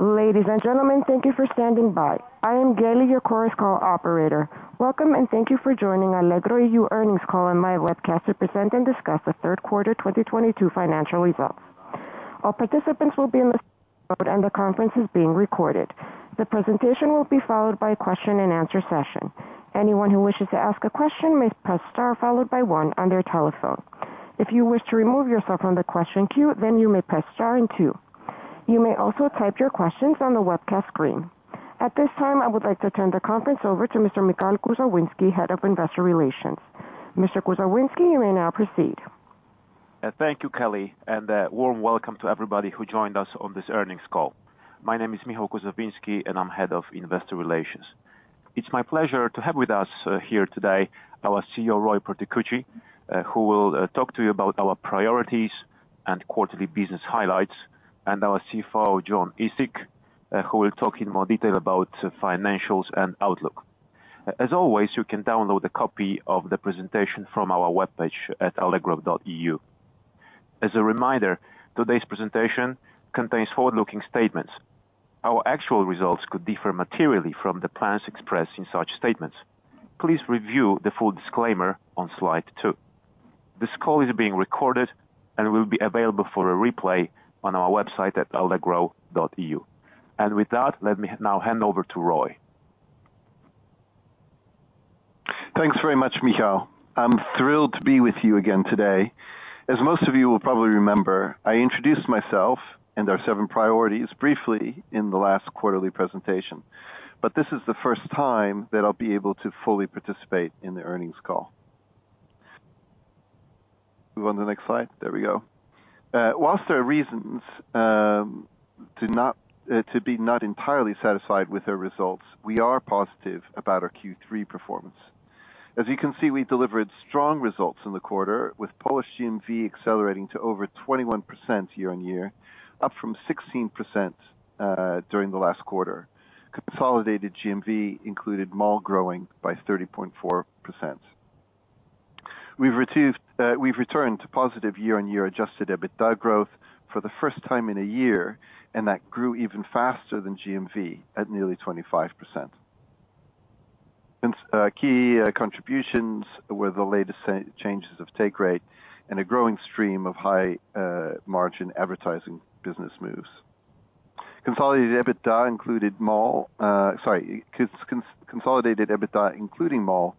Ladies and gentlemen, thank you for standing by. I am Kelly, your Chorus Call operator. Welcome and thank you for joining allegro.eu earnings call and my webcast to present and discuss the Q3 2022 financial results. All participants will be in the and the conference is being recorded. The presentation will be followed by a question-and-answer session. Anyone who wishes to ask a question may press star followed by one on their telephone. If you wish to remove yourself from the question queue, then you may press star and two. You may also type your questions on the webcast screen. At this time, I would like to turn the conference over to Mr. Michał Koza-Winiarski, Head of Investor Relations. Mr. Michał Koza-Winiarski, you may now proceed. Thank you, Kelly, and a warm welcome to everybody who joined us on this earnings call. My name is Michał Koza-Winiarski, and I'm Head of Investor Relations. It's my pleasure to have with us here today our CEO, Roy Perticucci, who will talk to you about our priorities and quarterly business highlights, and our CFO, Jonathan Eastick, who will talk in more detail about financials and outlook. As always, you can download a copy of the presentation from our webpage at allegro.eu. As a reminder, today's presentation contains forward-looking statements. Our actual results could differ materially from the plans expressed in such statements. Please review the full disclaimer on slide two. This call is being recorded and will be available for a replay on our website at allegro.eu. With that, let me now hand over to Roy. Thanks very much, Michał. I'm thrilled to be with you again today. As most of you will probably remember, I introduced myself and our seven priorities briefly in the last quarterly presentation, but this is the first time that I'll be able to fully participate in the earnings call. Move on to the next slide. There we go. Whilst there are reasons to be not entirely satisfied with our results, we are positive about our Q3 performance. As you can see, we delivered strong results in the quarter, with Polish GMV accelerating to over 21% year-on-year, up from 16% during the last quarter. Consolidated GMV included MALL growing by 30.4%. We've returned to positive year-on-year adjusted EBITDA growth for the first time in a year, and that grew even faster than GMV at nearly 25%. Key contributions were the latest changes of take rate and a growing stream of high margin advertising business moves. Consolidated EBITDA included MALL, sorry, consolidated EBITDA, including MALL,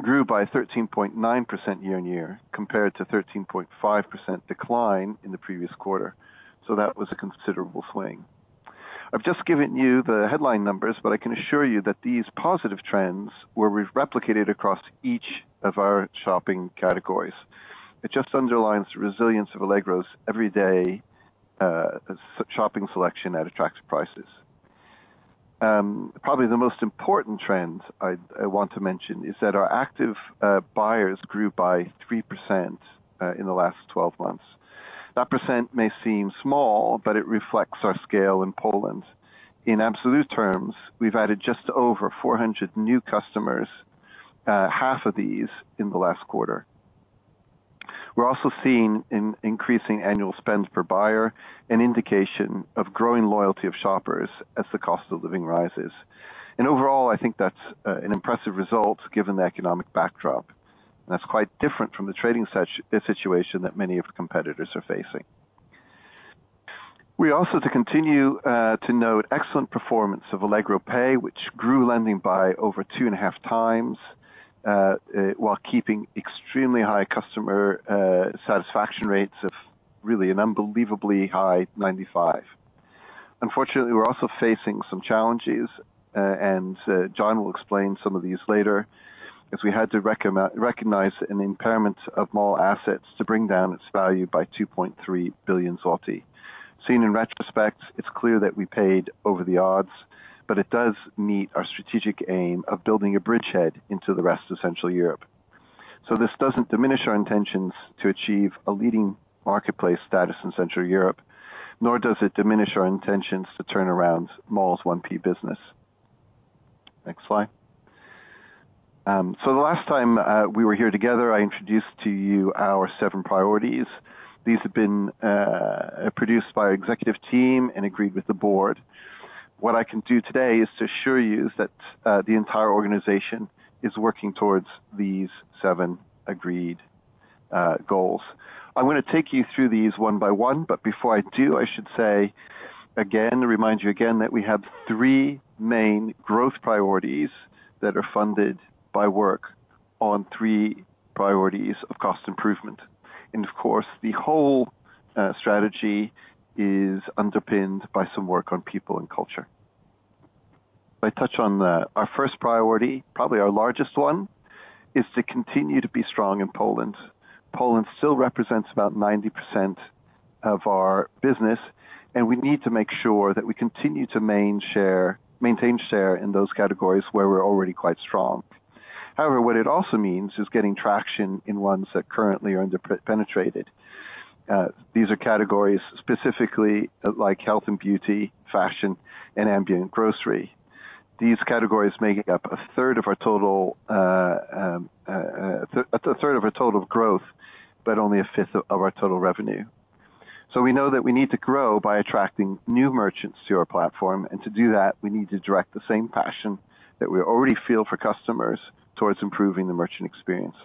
grew by 13.9% year-on-year, compared to 13.5% decline in the previous quarter. That was a considerable swing. I've just given you the headline numbers, but I can assure you that these positive trends were replicated across each of our shopping categories. It just underlines the resilience of Allegro's everyday shopping selection at attractive prices. Probably the most important trend I want to mention is that our active buyers grew by 3% in the last 12 months. That percent may seem small, but it reflects our scale in Poland. In absolute terms, we've added just over 400 new customers, half of these in the last quarter. We're also seeing in increasing annual spend per buyer an indication of growing loyalty of shoppers as the cost of living rises. Overall, I think that's an impressive result given the economic backdrop. That's quite different from the trading situation that many of our competitors are facing. We also to continue to note excellent performance of Allegro Pay, which grew lending by over 2.5x, while keeping extremely high customer satisfaction rates of really an unbelievably high 95. Unfortunately, we're also facing some challenges, and John will explain some of these later, as we had to recognize an impairment of MALL assets to bring down its value by 2.3 billion zloty. Seen in retrospect, it's clear that we paid over the odds. It does meet our strategic aim of building a bridgehead into the rest of Central Europe. This doesn't diminish our intentions to achieve a leading marketplace status in Central Europe, nor does it diminish our intentions to turn around MALL's 1P business. Next slide. The last time we were here together, I introduced to you our seven priorities. These have been produced by our executive team and agreed with the board. What I can do today is to assure you is that the entire organization is working towards these seven agreed goals. I'm gonna take you through these one by one, but before I do, I should say again, remind you again that we have three main growth priorities that are funded by work on three priorities of cost improvement. Of course, the whole strategy is underpinned by some work on people and culture. I touch on our first priority. Probably our largest one is to continue to be strong in Poland. Poland still represents about 90% of our business, and we need to make sure that we continue to maintain share in those categories where we're already quite strong. However, what it also means is getting traction in ones that currently are under-penetrated. These are categories specifically like health and beauty, fashion, and ambient grocery. These categories making up 1/3 of our total growth, but only 1/5 of our total revenue. We know that we need to grow by attracting new merchants to our platform. To do that, we need to direct the same passion that we already feel for customers towards improving the merchant experience.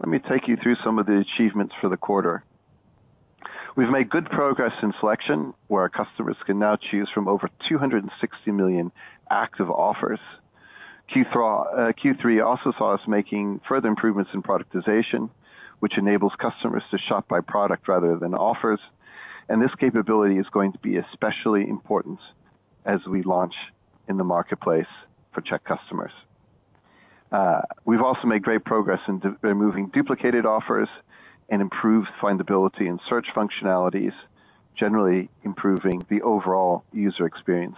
Let me take you through some of the achievements for the quarter. We've made good progress in selection, where our customers can now choose from over 260 million active offers. Q3 also saw us making further improvements in productization, which enables customers to shop by product rather than offers. This capability is going to be especially important as we launch in the marketplace for Czech customers. We've also made great progress in de-removing duplicated offers and improved findability and search functionalities, generally improving the overall user experience.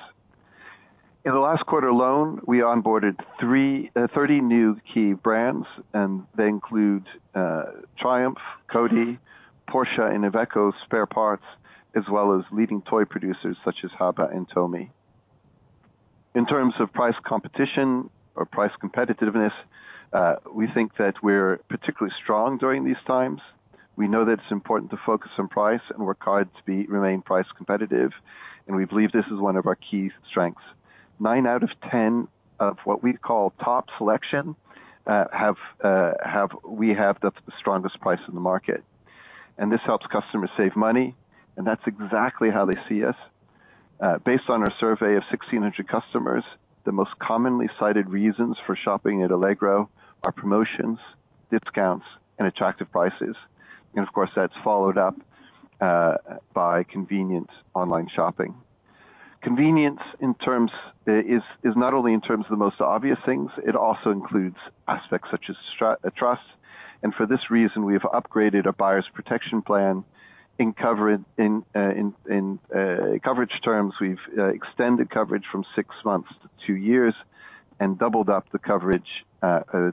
In the last quarter alone, we onboarded 30 new key brands, and they include Triumph, Coty, Porsche, and Iveco spare parts, as well as leading toy producers such as HABA and TOMY. In terms of price competition or price competitiveness, we think that we're particularly strong during these times. We know that it's important to focus on price, and work hard to remain price competitive, and we believe this is one of our key strengths. Nine out of 10 of what we call top selection, we have the strongest price in the market. This helps customers save money, and that's exactly how they see us. Based on our survey of 1,600 customers, the most commonly cited reasons for shopping at Allegro are promotions, discounts, and attractive prices. Of course, that's followed up by convenient online shopping. Convenience in terms is not only in terms of the most obvious things, it also includes aspects such as trust. For this reason, we have upgraded our buyer's protection plan. In coverage terms, we've extended coverage from six months to two years and doubled up the coverage to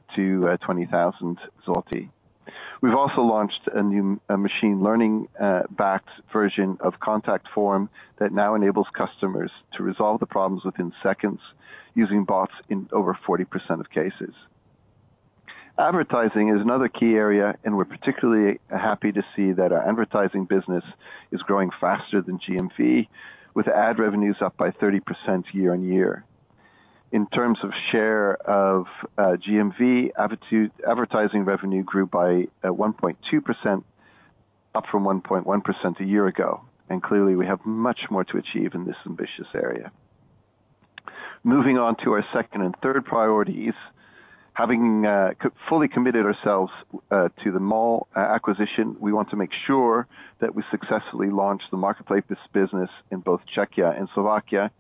20,000 zloty. We've also launched a new machine learning-backed version of contact form that now enables customers to resolve the problems within seconds using bots in over 40% of cases. Advertising is another key area, and we're particularly happy to see that our advertising business is growing faster than GMV, with ad revenues up by 30% year-on-year. In terms of share of GMV, advertising revenue grew by 1.2%, up from 1.1% a year ago. Clearly, we have much more to achieve in this ambitious area. Moving on to our second and third priorities. Having fully committed ourselves to the Mall acquisition, we want to make sure that we successfully launch the marketplace business in both Czechia and Slovakia.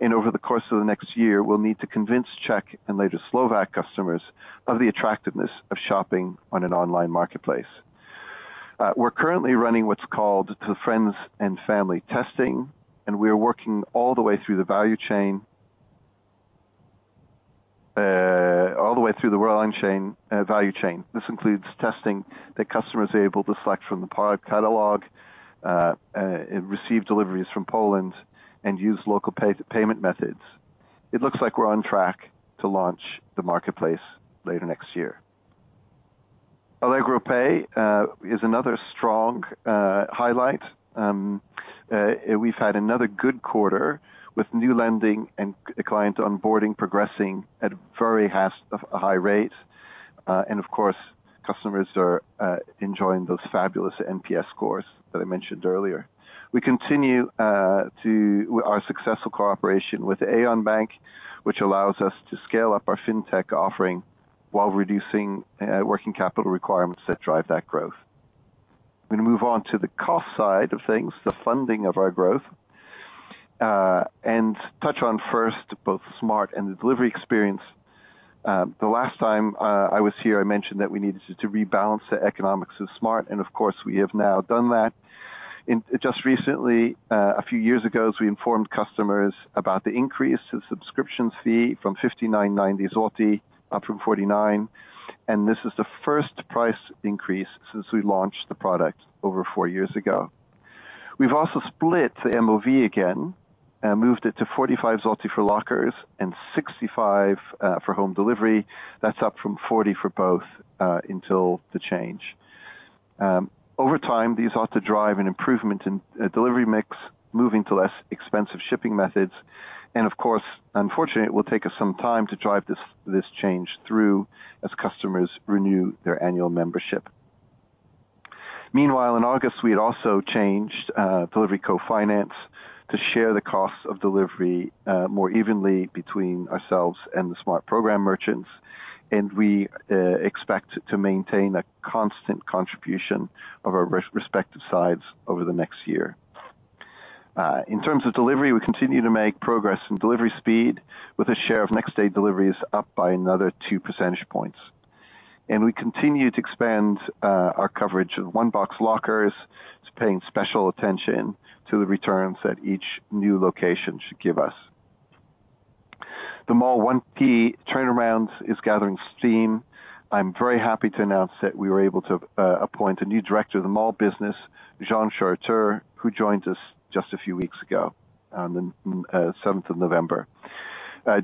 Over the course of the next year, we'll need to convince Czech and later Slovak customers of the attractiveness of shopping on an online marketplace. We're currently running what's called the friends and family testing, and we are working all the way through the value chain. This includes testing that customers are able to select from the product catalog, receive deliveries from Poland and use local payment methods. It looks like we're on track to launch the marketplace later next year. Allegro Pay is another strong highlight. We've had another good quarter with new lending and client onboarding progressing at a very high rate. Of course, customers are enjoying those fabulous NPS scores that I mentioned earlier. We continue to our successful cooperation with Alior Bank, which allows us to scale up our fintech offering while reducing working capital requirements that drive that growth. I'm gonna move on to the cost side of things, the funding of our growth, and touch on first both the Smart and the delivery experience. The last time, I was here, I mentioned that we needed to rebalance the economics of Smart!, and of course, we have now done that. Just recently, a few years ago, as we informed customers about the increase to subscription fee from 59.90 zloty, up from 49, and this is the first price increase since we launched the product over four years ago. We've also split the MOV again, moved it to 45 zloty for lockers and 65 for home delivery. That's up from 40 for both until the change. Over time, these ought to drive an improvement in delivery mix, moving to less expensive shipping methods. Unfortunately, it will take us some time to drive this change through as customers renew their annual membership. Meanwhile, in August, we had also changed delivery co-finance to share the costs of delivery more evenly between ourselves and the Smart program merchants. We expect to maintain a constant contribution of our respective sides over the next year. In terms of delivery, we continue to make progress in delivery speed with a share of next day deliveries up by another 2 percentage points. We continue to expand our coverage of One Box lockers. It's paying special attention to the returns that each new location should give us. The MALL One Key turnarounds is gathering steam. I'm very happy to announce that we were able to appoint a new director of the MALL business, Jean Charretteur, who joined us just a few weeks ago on the seventh of November.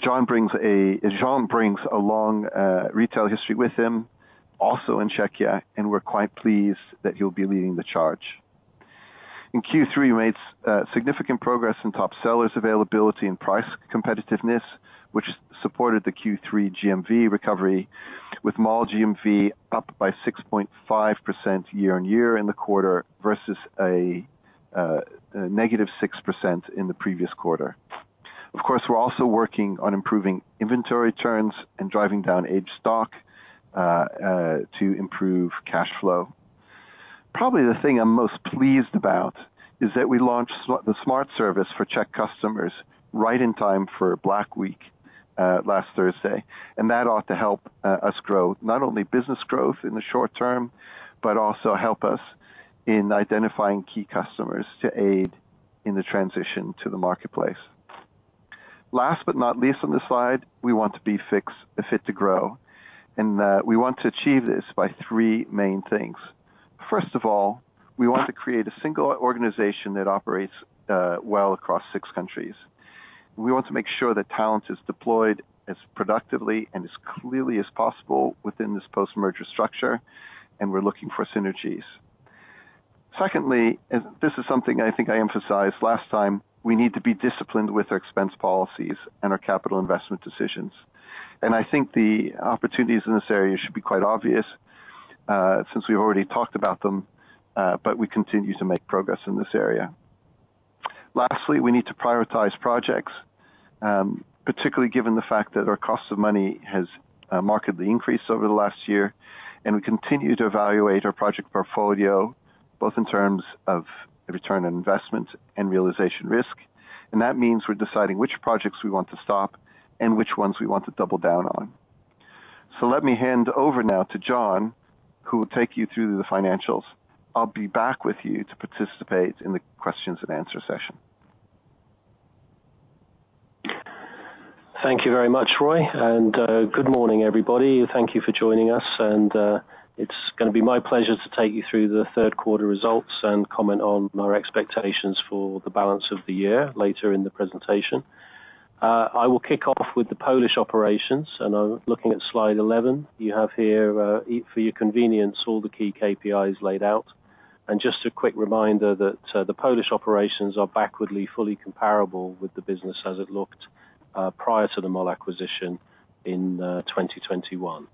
Jean brings a long retail history with him, also in Czechia, and we're quite pleased that he'll be leading the charge. In Q3, we made significant progress in top sellers availability and price competitiveness, which supported the Q3 GMV recovery with MALL GMV up by 6.5% year-on-year in the quarter versus a -6% in the previous quarter. Of course, we're also working on improving inventory turns and driving down aged stock to improve cash flow. Probably the thing I'm most pleased about is that we launched the Smart Service for Czech customers right in time for Black Week last Thursday. That ought to help us grow not only business growth in the short term, but also help us in identifying key customers to aid in the transition to the marketplace. Last but not least on this slide, we want to be Fit to Grow. We want to achieve this by three main things. First of all, we want to create a single organization that operates well across six countries. We want to make sure that talent is deployed as productively and as clearly as possible within this post-merger structure. We're looking for synergies. Secondly, this is something I think I emphasized last time, we need to be disciplined with our expense policies and our capital investment decisions. I think the opportunities in this area should be quite obvious, since we've already talked about them, but we continue to make progress in this area. Lastly, we need to prioritize projects, particularly given the fact that our cost of money has markedly increased over the last year, and we continue to evaluate our project portfolio, both in terms of return on investment and realization risk. That means we're deciding which projects we want to stop and which ones we want to double down on. Let me hand over now to John, who will take you through the financials. I'll be back with you to participate in the questions and answer session. Thank you very much, Roy. Good morning, everybody. Thank you for joining us. It's gonna be my pleasure to take you through the Q3 results and comment on our expectations for the balance of the year later in the presentation. I will kick off with the Polish operations, and I'm looking at slide 11. You have here for your convenience, all the key KPIs laid out. Just a quick reminder that the Polish operations are backwardly fully comparable with the business as it looked prior to the MALL acquisition in 2021.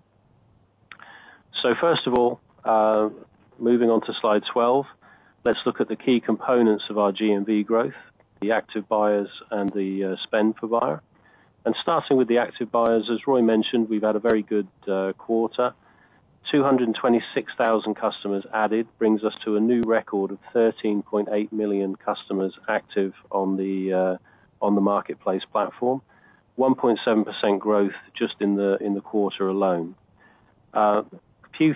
First of all, moving on to slide 12, let's look at the key components of our GMV growth, the active buyers, and the spend per buyer. Starting with the active buyers, as Roy mentioned, we've had a very good quarter. 226,000 customers added, brings us to a new record of 13.8 million customers active on the marketplace platform. 1.7% growth just in the quarter alone. Few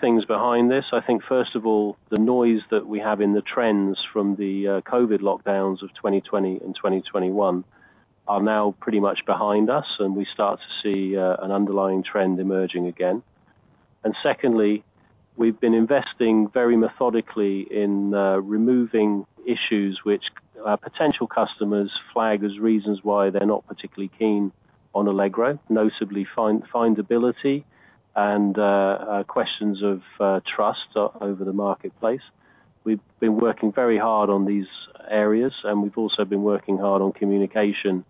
things behind this. I think, first of all, the noise that we have in the trends from the COVID lockdowns of 2020 and 2021 are now pretty much behind us, and we start to see an underlying trend emerging again. Secondly, we've been investing very methodically in removing issues which potential customers flag as reasons why they're not particularly keen on Allegro, notably findability and questions of trust over the marketplace. We've been working very hard on these areas, and we've also been working hard on communication,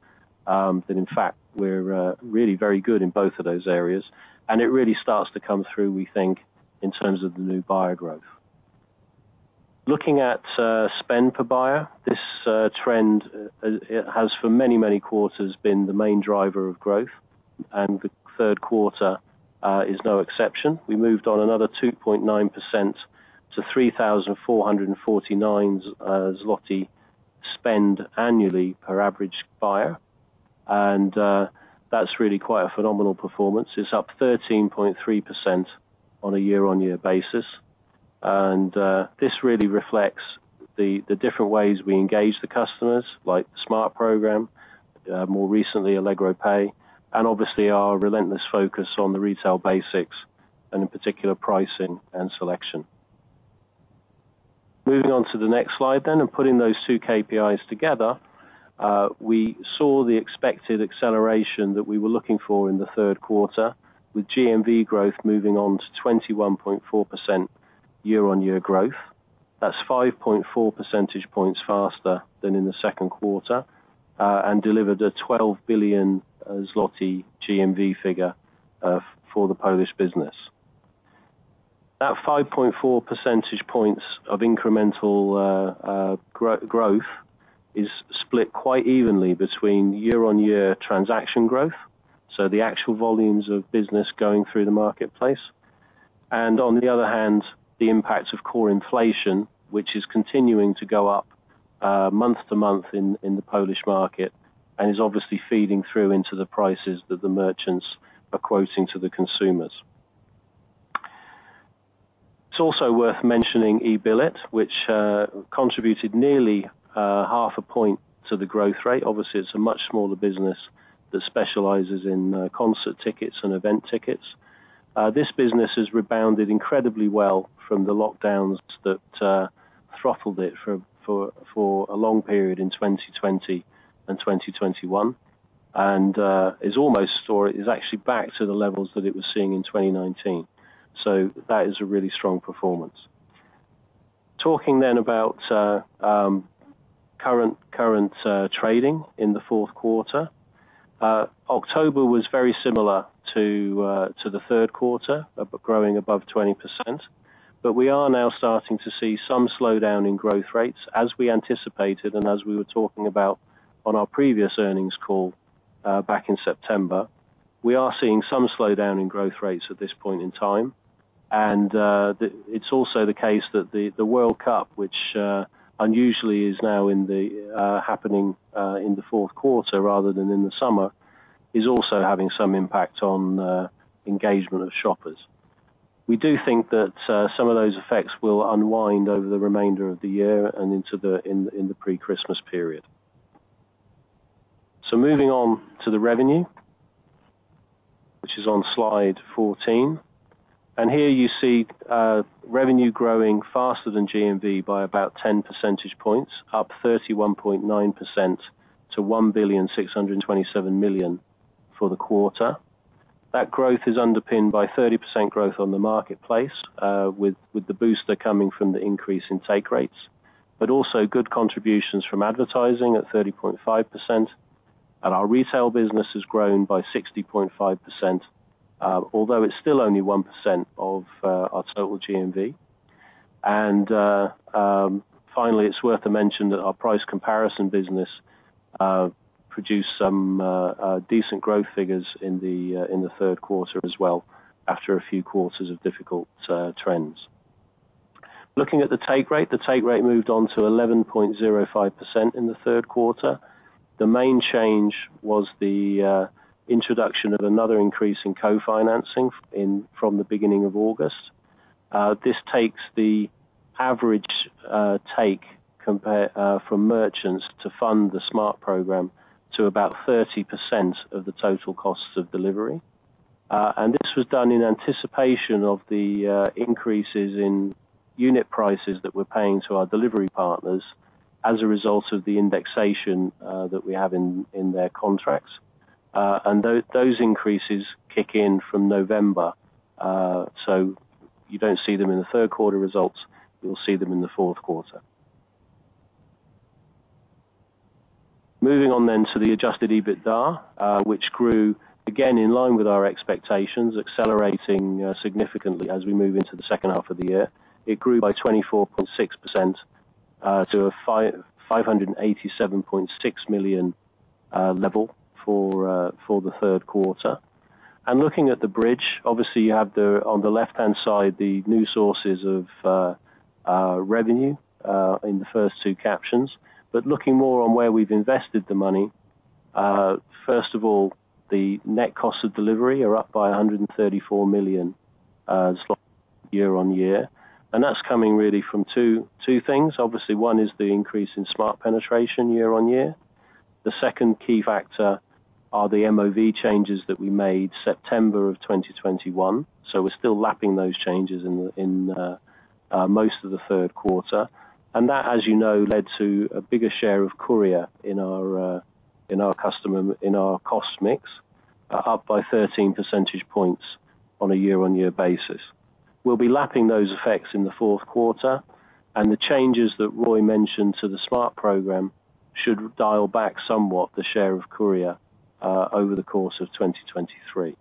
that in fact, we're really very good in both of those areas, and it really starts to come through, we think, in terms of the new buyer growth. Looking at spend per buyer, this trend, it has for many, many quarters been the main driver of growth, and the Q3 is no exception. We moved on another 2.9% to 3,449 zloty spend annually per average buyer. That's really quite a phenomenal performance. It's up 13.3% on a year-on-year basis. This really reflects the different ways we engage the customers, like the Smart program, more recently, Allegro Pay, and obviously our relentless focus on the retail basics, and in particular, pricing and selection. Moving on to the next slide, putting those two KPIs together, we saw the expected acceleration that we were looking for in the Q3 with GMV growth moving on to 21.4% year-on-year growth. That's 5.4 percentage points faster than in the Q2, and delivered a 12 billion zloty GMV figure for the Polish business. That 5.4 percentage points of incremental growth is split quite evenly between year-on-year transaction growth, so the actual volumes of business going through the marketplace. On the other hand, the impact of core inflation, which is continuing to go up month-over-month in the Polish market and is obviously feeding through into the prices that the merchants are quoting to the consumers. It's also worth mentioning eBilet, which contributed nearly half a point to the growth rate. Obviously, it's a much smaller business that specializes in concert tickets and event tickets. This business has rebounded incredibly well from the lockdowns that throttled it for a long period in 2020 and 2021. Is actually back to the levels that it was seeing in 2019. That is a really strong performance. Talking then about current trading in the Q4. October was very similar to the Q3, but growing above 20%. We are now starting to see some slowdown in growth rates as we anticipated and as we were talking about on our previous earnings call, back in September. We are seeing some slowdown in growth rates at this point in time. It's also the case that the World Cup, which, unusually is now happening in the Q4 rather than in the summer, is also having some impact on engagement of shoppers. We do think that some of those effects will unwind over the remainder of the year and into the pre-Christmas period. Moving on to the revenue, which is on slide 14. Here you see revenue growing faster than GMV by about 10 percentage points, up 31.9% to 1.627 billion for the quarter. That growth is underpinned by 30% growth on the marketplace, with the booster coming from the increase in take rates. Also good contributions from advertising at 30.5%. Our retail business has grown by 60.5%, although it's still only 1% of our total GMV. Finally, it's worth a mention that our price comparison business produced some decent growth figures in the Q3 as well, after a few quarters of difficult trends. Looking at the take rate. The take rate moved on to 11.05% in the Q3. The main change was the introduction of another increase in co-financing in, from the beginning of August. This takes the average take compare from merchants to fund the Smart program to about 30% of the total cost of delivery. This was done in anticipation of the increases in unit prices that we're paying to our delivery partners as a result of the indexation that we have in their contracts. Those increases kick in from November, so you don't see them in the Q3 results, you'll see them in the Q4. Moving on to the adjusted EBITDA, which grew again in line with our expectations, accelerating significantly as we move into the second half of the year. It grew by 24.6% to a 587.6 million level for the Q3. Looking at the bridge, obviously you have the, on the left-hand side, the new sources of revenue in the first two captions. Looking more on where we've invested the money, first of all, the net cost of delivery are up by 134 million year-on-year. That's coming really from two things. Obviously, one is the increase in Smart penetration year-on-year. The second key factor are the MOV changes that we made September of 2021, so we're still lapping those changes in the most of the Q3. That, as you know, led to a bigger share of Courier in our cost mix, up by 13 percentage points on a year-on-year basis. We'll be lapping those effects in the Q4, and the changes that Roy mentioned to the Smart program should dial back somewhat the share of Courier over the course of 2023.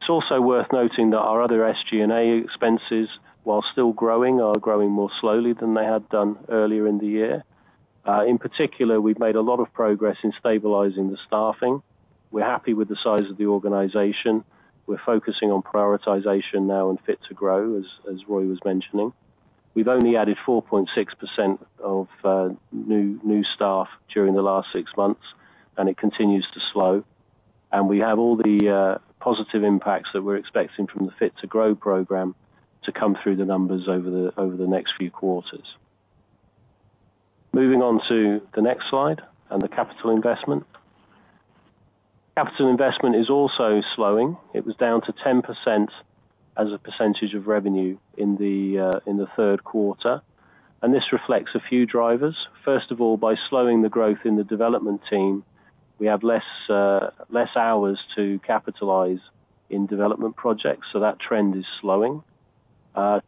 It's also worth noting that our other SG&A expenses, while still growing, are growing more slowly than they had done earlier in the year. In particular, we've made a lot of progress in stabilizing the staffing. We're happy with the size of the organization. We're focusing on prioritization now and Fit to Grow, as Roy was mentioning. We've only added 4.6% of new staff during the last six months, and it continues to slow. We have all the positive impacts that we're expecting from the Fit to Grow program to come through the numbers over the next few quarters. Moving on to the next slide and the capital investment. Capital investment is also slowing. It was down to 10% as a percentage of revenue in the Q3. This reflects a few drivers. First of all, by slowing the growth in the development team, we have less hours to capitalize in development projects, so that trend is slowing.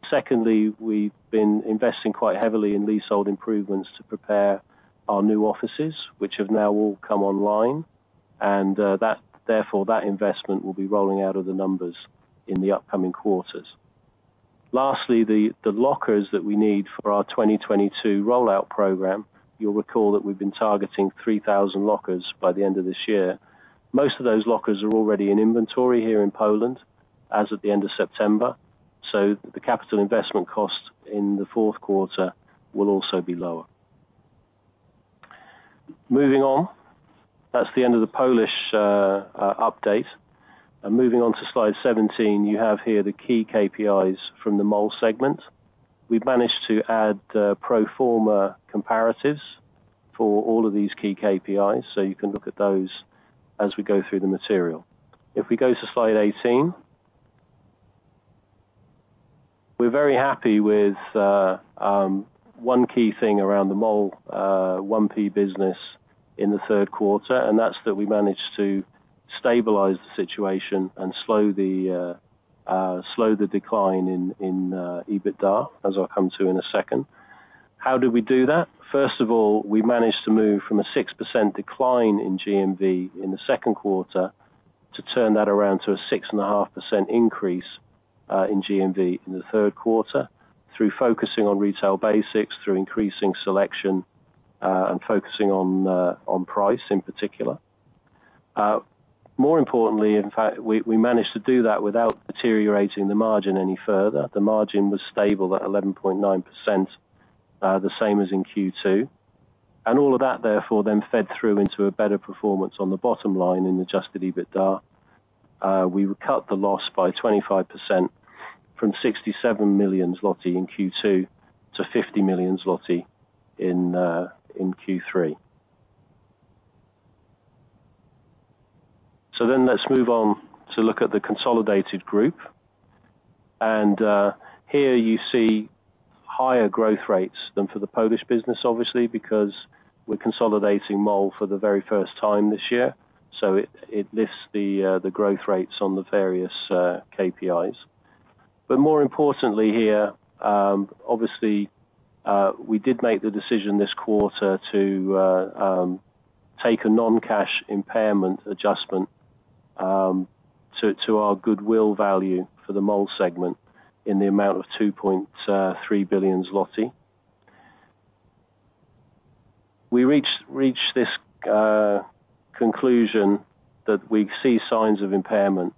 Secondly, we've been investing quite heavily in leasehold improvements to prepare our new offices, which have now all come online. Therefore, that investment will be rolling out of the numbers in the upcoming quarters. Lastly, the lockers that we need for our 2022 rollout program, you'll recall that we've been targeting 3,000 lockers by the end of this year. Most of those lockers are already in inventory here in Poland as of the end of September, so the capital investment cost in the Q4 will also be lower. Moving on. That's the end of the Polish update. Moving on to slide 17, you have here the key KPIs from the MALL segment. We've managed to add pro forma comparatives for all of these key KPIs, so you can look at those as we go through the material. If we go to slide 18. We're very happy with one key thing around the MALL 1P business in the Q3, and that's that we managed to stabilize the situation and slow the decline in EBITDA, as I'll come to in a second. How did we do that? First of all, we managed to move from a 6% decline in GMV in the Q2 to turn that around to a 6.5% increase in GMV in the Q3, through focusing on retail basics, through increasing selection and focusing on price in particular. More importantly, in fact, we managed to do that without deteriorating the margin any further. The margin was stable at 11.9%, the same as in Q2. All of that therefore then fed through into a better performance on the bottom line in adjusted EBITDA. We cut the loss by 25% from 67 million zloty in Q2 to 50 million zloty in Q3. Let's move on to look at the consolidated group. Here you see higher growth rates than for the Polish business, obviously, because we're consolidating Mall for the very first time this year. It lists the growth rates on the various KPIs. More importantly here, obviously, we did make the decision this quarter to take a non-cash impairment adjustment to our goodwill value for the Mall segment in the amount of 2.3 billion zloty. We reached this conclusion that we see signs of impairment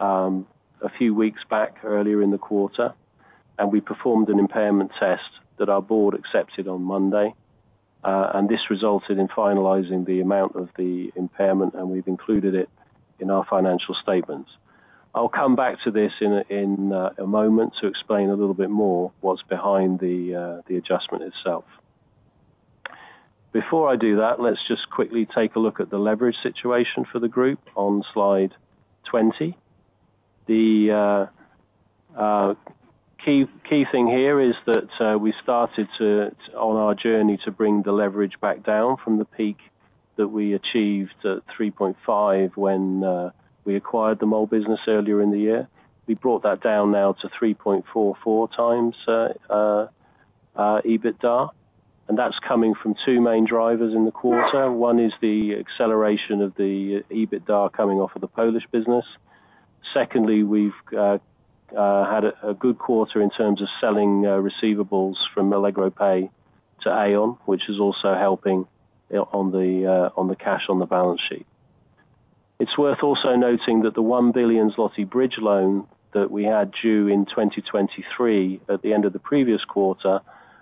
a few weeks back earlier in the quarter, and we performed an impairment test that our board accepted on Monday. This resulted in finalizing the amount of the impairment, and we've included it in our financial statements. I'll come back to this in a moment to explain a little bit more what's behind the adjustment itself. Before I do that, let's just quickly take a look at the leverage situation for the group on slide 20. The key thing here is that we started to, on our journey to bring the leverage back down from the peak that we achieved at 3.5 when we acquired the Mall business earlier in the year. We brought that down now to 3.44x EBITDA. That's coming from two main drivers in the quarter. One is the acceleration of the EBITDA coming off of the Polish business. Secondly, we've had a good quarter in terms of selling receivables from Allegro Pay to Aion, which is also helping on the cash on the balance sheet. It's worth also noting that the 1 billion zloty bridge loan that we had due in 2023 at the end of the previous quarter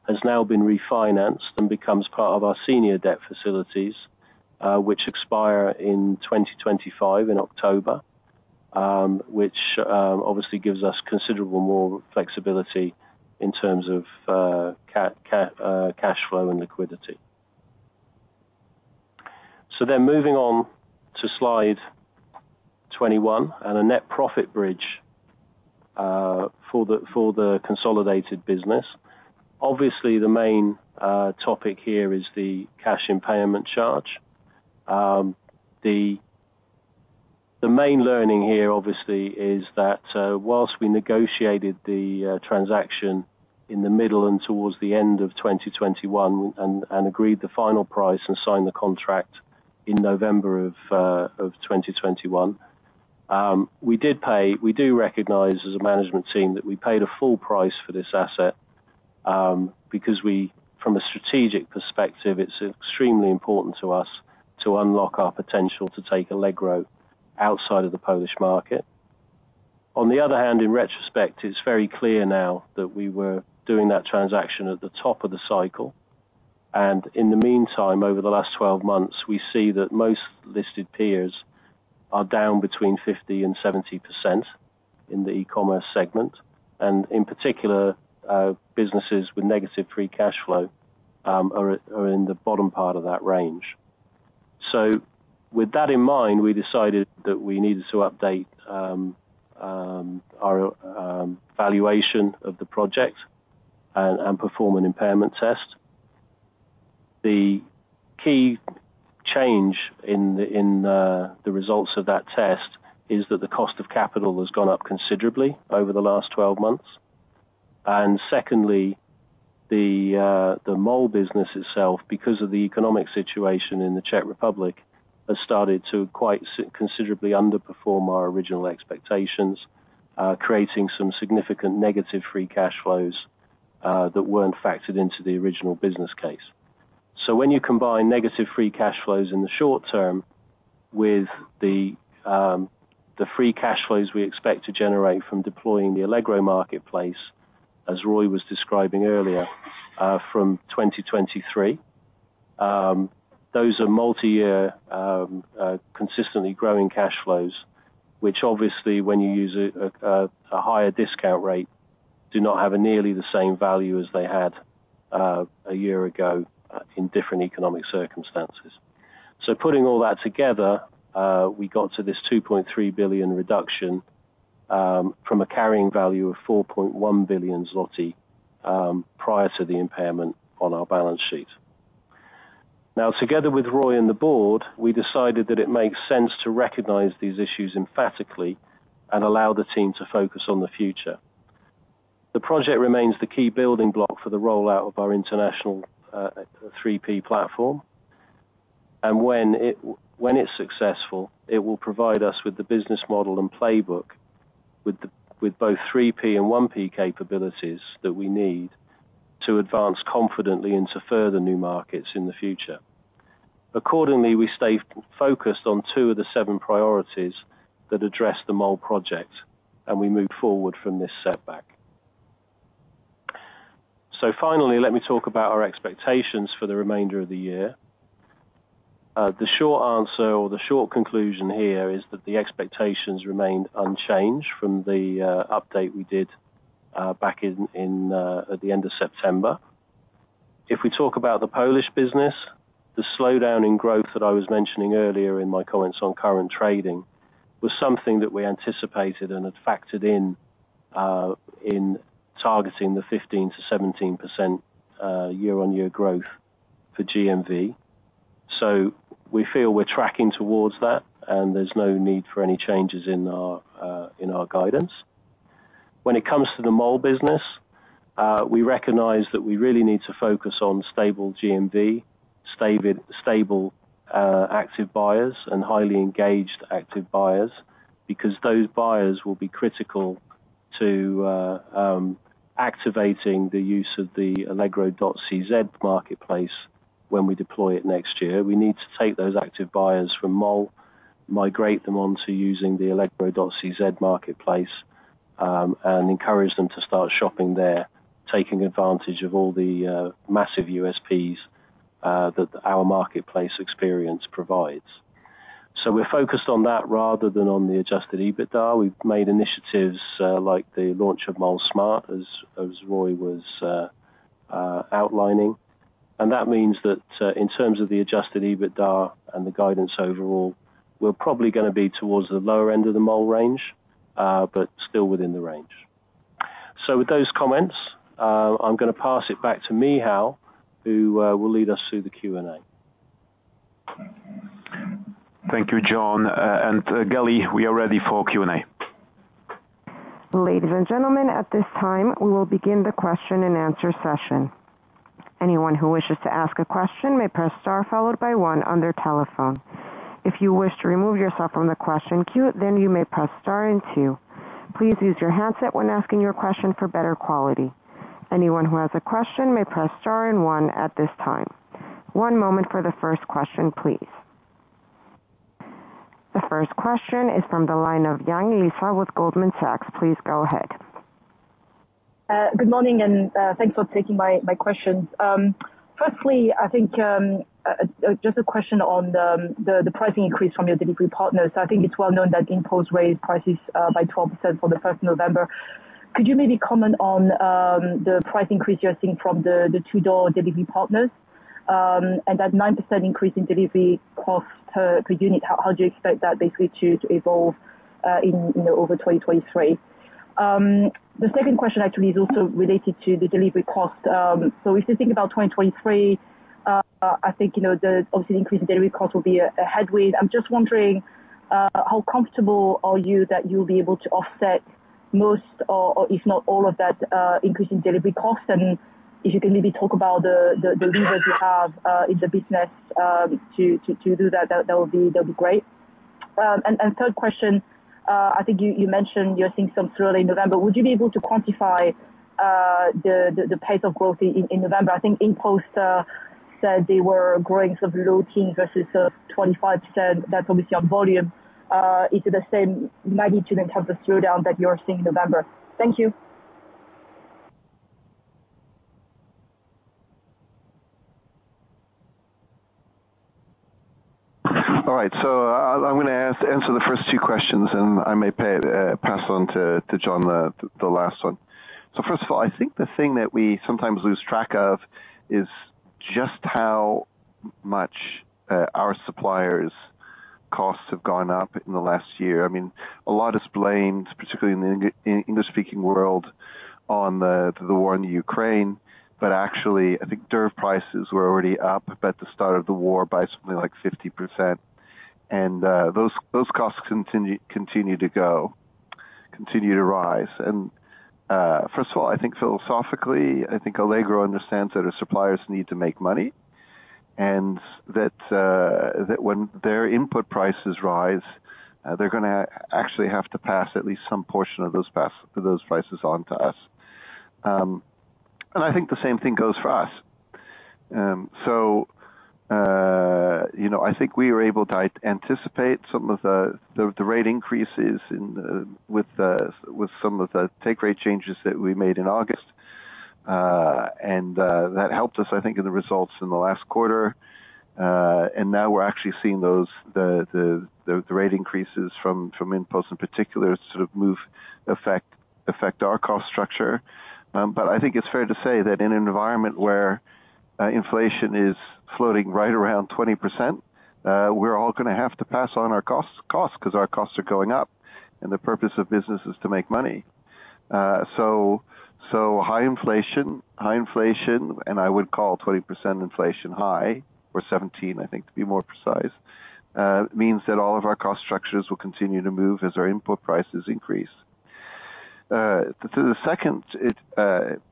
has now been refinanced and becomes part of our senior debt facilities, which expire in October 2025, which obviously gives us considerable more flexibility in terms of cash flow and liquidity. Moving on to slide 21 and a net profit bridge for the consolidated business. Obviously, the main topic here is the cash impairment charge. The main learning here obviously is that whilst we negotiated the transaction in the middle and towards the end of 2021 and agreed the final price and signed the contract in November of 2021, we do recognize as a management team that we paid a full price for this asset, because we, from a strategic perspective, it's extremely important to us to unlock our potential to take Allegro outside of the Polish market. On the other hand, in retrospect, it's very clear now that we were doing that transaction at the top of the cycle. In the meantime, over the last 12 months, we see that most listed peers are down between 50% and 70% in the e-commerce segment. In particular, businesses with negative free cash flow are in the bottom part of that range. With that in mind, we decided that we needed to update our valuation of the project and perform an impairment test. The key change in the results of that test is that the cost of capital has gone up considerably over the last 12 months. Secondly, the MALL business itself, because of the economic situation in the Czech Republic, has started to considerably underperform our original expectations, creating some significant negative free cash flows that weren't factored into the original business case. When you combine negative free cash flows in the short term with the free cash flows we expect to generate from deploying the Allegro marketplace, as Roy was describing earlier, from 2023, those are multi-year, consistently growing cash flows. Which obviously when you use a higher discount rate, do not have a nearly the same value as they had a year ago in different economic circumstances. Putting all that together, we got to this 2.3 billion reduction from a carrying value of 4.1 billion zloty prior to the impairment on our balance sheet. Together with Roy and the board, we decided that it makes sense to recognize these issues emphatically and allow the team to focus on the future. The project remains the key building block for the rollout of our international 3P platform. When it's successful, it will provide us with the business model and playbook with both 3P and 1P capabilities that we need to advance confidently into further new markets in the future. Accordingly, we stay focused on two of the seven priorities that address the MALL project and we move forward from this setback. Finally, let me talk about our expectations for the remainder of the year. The short answer or the short conclusion here is that the expectations remain unchanged from the update we did back in at the end of September. If we talk about the Polish business, the slowdown in growth that I was mentioning earlier in my comments on current trading was something that we anticipated and had factored in targeting the 15% to 17% year-on-year growth for GMV. We feel we're tracking towards that, and there's no need for any changes in our in our guidance. When it comes to the mall business, we recognize that we really need to focus on stable GMV, stable active buyers and highly engaged active buyers, because those buyers will be critical to activating the use of the allegro.cz marketplace when we deploy it next year. We need to take those active buyers from MALL, migrate them onto using the allegro.cz marketplace, and encourage them to start shopping there, taking advantage of all the massive USPs that our marketplace experience provides. We're focused on that rather than on the adjusted EBITDA. We've made initiatives like the launch of MALL Smart, as Roy was outlining. That means that in terms of the adjusted EBITDA and the guidance overall, we're probably gonna be towards the lower end of the MALL range, but still within the range. With those comments, I'm gonna pass it back to Michal, who will lead us through the Q and A. Thank you, John. Kelly, we are ready for Q and A. Ladies and gentlemen, at this time, we will begin the question and answer session. Anyone who wishes to ask a question may press star followed by one on their telephone. If you wish to remove yourself from the question queue, then you may press star and two. Please use your handset when asking your question for better quality. Anyone who has a question may press star and one at this time. One moment for the first question, please. The first question is from the line of Lisa Yang with Goldman Sachs. Please go ahead. Good morning. Thanks for taking my questions. Firstly, I think just a question on the pricing increase from your delivery partners. I think it's well known that InPost raised prices by 12% from the 1st November. Could you maybe comment on the price increase you're seeing from the two door delivery partners, and that 9% increase in delivery cost per unit? How do you expect that basically to evolve, in, you know, over 2023? The second question actually is also related to the delivery cost. If you think about 2023, I think, you know, the obviously increased delivery cost will be a headwind. I'm just wondering how comfortable are you that you'll be able to offset most if not all of that increase in delivery costs? If you can maybe talk about the levers you have in the business to do that'd be great. Third question, I think you mentioned you're seeing some throughout in November. Would you be able to quantify the pace of growth in November? I think InPost said they were growing sort of low teens versus 25%. That's obviously on volume. Is it the same magnitude and type of slowdown that you're seeing in November? Thank you. All right. I'm gonna answer the first two questions, and I may pass on to John the last one. First of all, I think the thing that we sometimes lose track of is just how much our suppliers' costs have gone up in the last year. I mean, a lot is blamed, particularly in the English-speaking world, on the war in the Ukraine. Actually, I think DERV prices were already up at the start of the war by something like 50%. Those costs continue to go, continue to rise. First of all, I think philosophically, I think Allegro understands that our suppliers need to make money. That when their input prices rise, they're gonna actually have to pass at least some portion of those prices on to us. I think the same thing goes for us. You know, I think we were able to anticipate some of the rate increases in with some of the take rate changes that we made in August. That helped us, I think, in the results in the last quarter. Now we're actually seeing those, the rate increases from InPost in particular sort of move affect our cost structure. I think it's fair to say that in an environment where inflation is floating right around 20%, we're all gonna have to pass on our costs 'cause our costs are going up, and the purpose of business is to make money. So high inflation. High inflation, and I would call 20% inflation high or 17%, I think, to be more precise, means that all of our cost structures will continue to move as our input prices increase. The second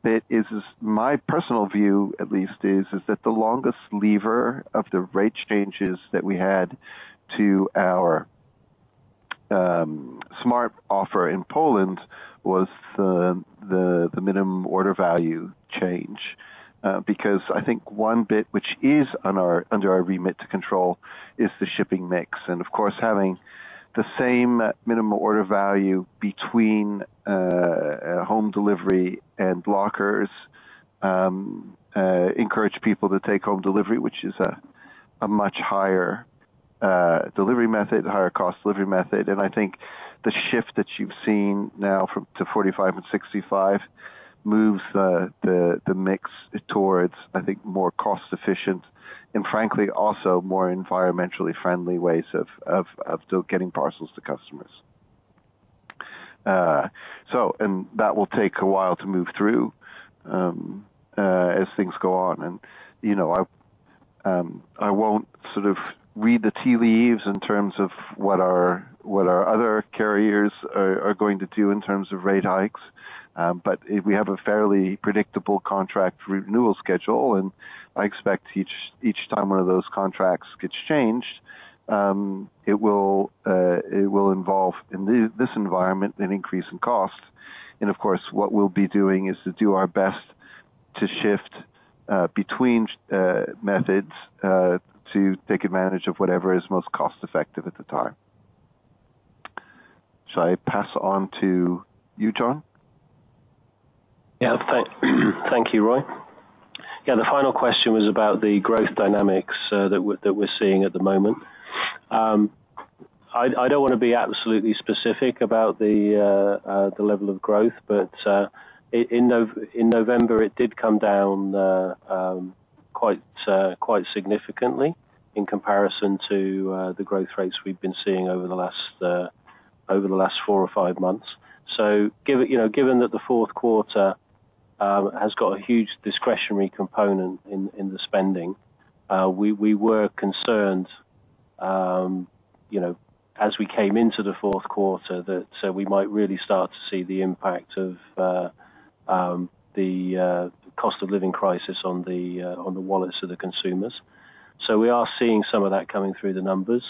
bit is, my personal view at least, is that the longest lever of the rate changes that we had to our Smart offer in Poland was the minimum order value change. I think one bit which is on our, under our remit to control is the shipping mix. Of course, having the same minimum order value between home delivery and lockers encourage people to take home delivery, which is a much higher delivery method, higher cost delivery method. I think the shift that you've seen now from to 45 and 65 moves the mix towards, I think, more cost efficient and frankly, also more environmentally friendly ways of still getting parcels to customers. That will take a while to move through as things go on. You know, I won't sort of read the tea leaves in terms of what our other carriers are going to do in terms of rate hikes. We have a fairly predictable contract renewal schedule, and I expect each time one of those contracts gets changed, it will involve in this environment an increase in cost. Of course, what we'll be doing is to do our best to shift between methods to take advantage of whatever is most cost effective at the time. Shall I pass on to you, John? Yeah. thank you, Roy. Yeah, the final question was about the growth dynamics, that we're seeing at the moment. I don't wanna be absolutely specific about the level of growth, but in November, it did come down quite significantly in comparison to the growth rates we've been seeing over the last over the last four or five months. You know, given that the Q4 has got a huge discretionary component in the spending, we were concerned, you know, as we came into the Q4, so we might really start to see the impact of the cost of living crisis on the wallets of the consumers. We are seeing some of that coming through the numbers.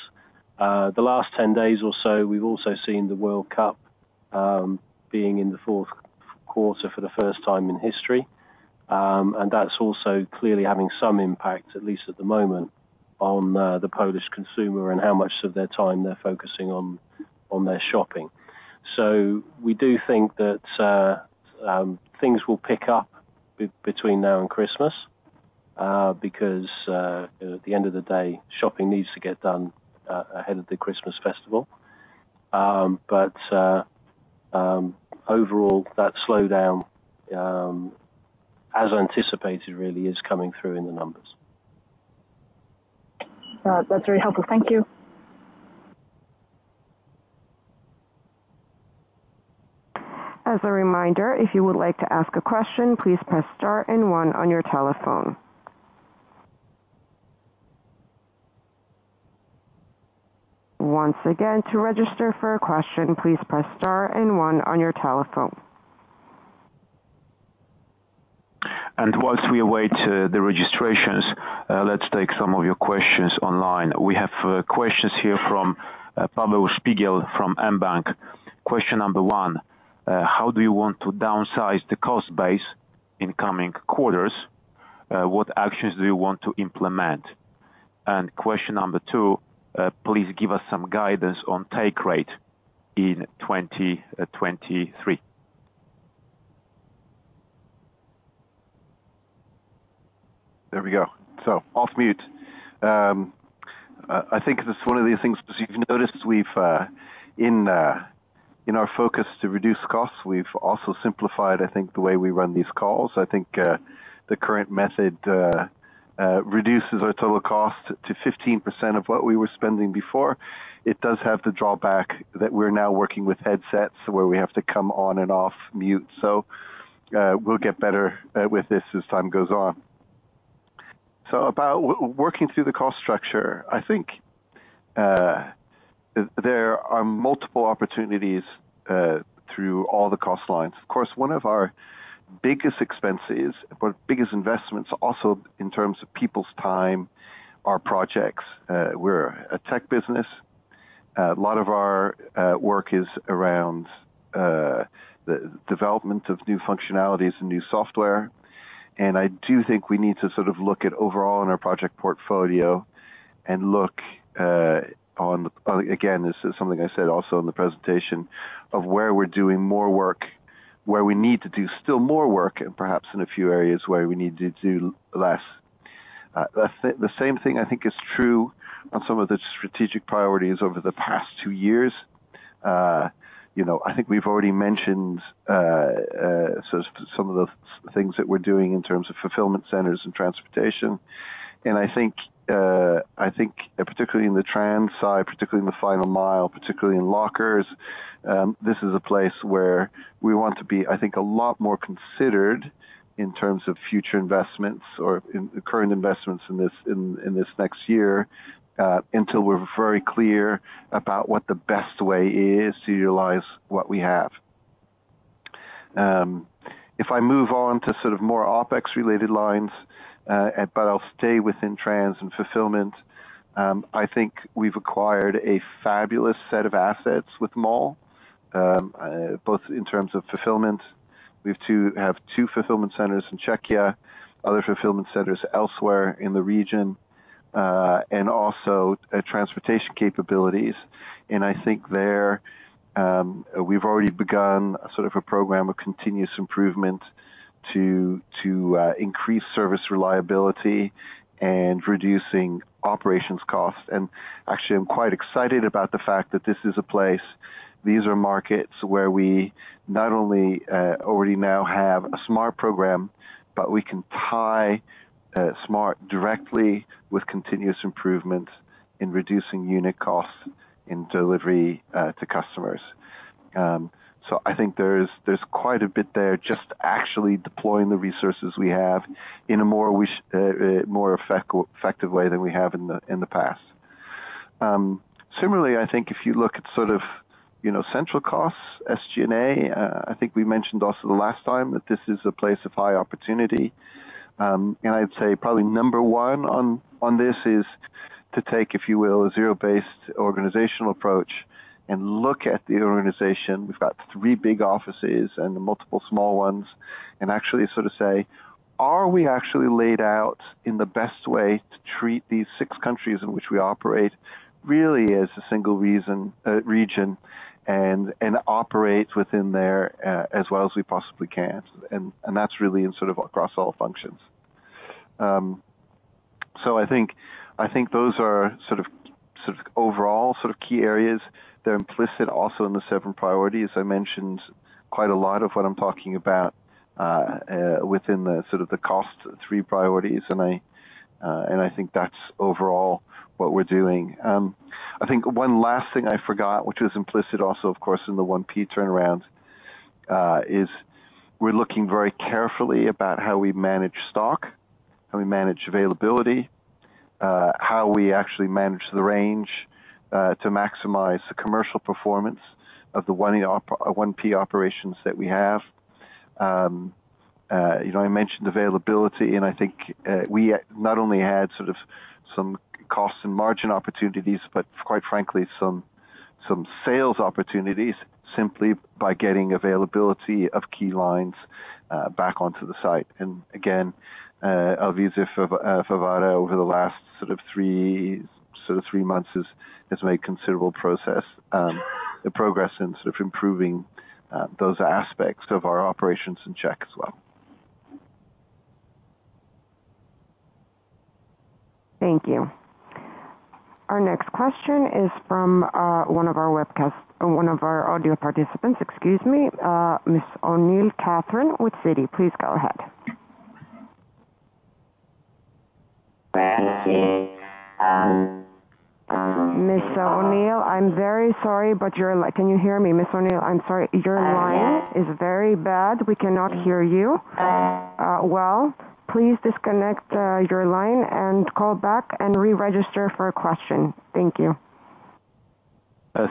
The last 10 days or so, we've also seen the World Cup being in the Q4 for the first time in history. That's also clearly having some impact, at least at the moment, on the Polish consumer and how much of their time they're focusing on their shopping. We do think that things will pick up between now and Christmas because at the end of the day, shopping needs to get done ahead of the Christmas festival. Overall, that slowdown as anticipated really is coming through in the numbers. That's very helpful. Thank you. As a reminder, if you would like to ask a question, please press star and one on your telephone. Once again, to register for a question, please press star and one on your telephone. Whilst we await the registrations, let's take some of your questions online. We have questions here from Paweł Spychalski from mBank. Question number one, how do you want to downsize the cost base in coming quarters? What actions do you want to implement? Question number two, please give us some guidance on take rate in 2023. There we go. Off mute. I think it's one of these things, as you've noticed, we've in our focus to reduce costs, we've also simplified, I think, the way we run these calls. I think the current method reduces our total cost to 15% of what we were spending before. It does have the drawback that we're now working with headsets where we have to come on and off mute. We'll get better with this as time goes on. About working through the cost structure, I think there are multiple opportunities through all the cost lines. Of course, one of our biggest expenses or biggest investments also in terms of people's time are projects. We're a tech business. A lot of our work is around the development of new functionalities and new software. I do think we need to sort of look at overall in our project portfolio and look. Again, this is something I said also in the presentation of where we're doing more work, where we need to do still more work, and perhaps in a few areas where we need to do less. The same thing I think is true on some of the strategic priorities over the past two years. You know, I think we've already mentioned, so some of the things that we're doing in terms of fulfillment centers and transportation. I think, I think particularly in the trans side, particularly in the final mile, particularly in lockers, this is a place where we want to be, I think, a lot more considered in terms of future investments or in current investments in this, in this next year, until we're very clear about what the best way is to utilize what we have. If I move on to sort of more OpEx related lines, but I'll stay within trans and fulfillment. I think we've acquired a fabulous set of assets with MALL, both in terms of fulfillment. We have two fulfillment centers in Czechia, other fulfillment centers elsewhere in the region, and also transportation capabilities. I think there, we've already begun sort of a program of continuous improvement to increase service reliability and reducing operations costs. Actually, I'm quite excited about the fact that this is a place, these are markets where we not only already now have a Smart program, but we can tie Smart directly with continuous improvement in reducing unit costs in delivery to customers. I think there's quite a bit there just actually deploying the resources we have in a more effective way than we have in the past. Similarly, I think if you look at sort of, you know, central costs, SG&A, I think we mentioned also the last time that this is a place of high opportunity. I'd say probably number one on this is to take, if you will, a zero-based organizational approach and look at the organization. We've got three big offices and multiple small ones, and actually sort of say, are we actually laid out in the best way to treat these six countries in which we operate really as a single region and operate within there as well as we possibly can. That's really in sort of across all functions. I think, I think those are sort of, sort of overall sort of key areas. They're implicit also in the seven priorities. I mentioned quite a lot of what I'm talking about within the sort of the cost three priorities. I think that's overall what we're doing. I think one last thing I forgot, which was implicit also, of course, in the 1P turnaround, is we're looking very carefully about how we manage stock, how we manage availability, how we actually manage the range to maximize the commercial performance of the 1P operations that we have. You know, I mentioned availability, and I think we not only had sort of some cost and margin opportunities, but quite frankly some sales opportunities simply by getting availability of key lines back onto the site. Again, Elvys Evard, over the last sort of three months, has made considerable progress in sort of improving those aspects of our operations in Czech as well. Thank you. Our next question is from one of our audio participants, excuse me, Ms. Catherine O'Neill with Citi. Please go ahead. Ms. O'Neill, I'm very sorry. Can you hear me, Ms. O'Neill? I'm sorry. Is very bad. We cannot hear you. Well, please disconnect your line and call back and re-register for a question. Thank you.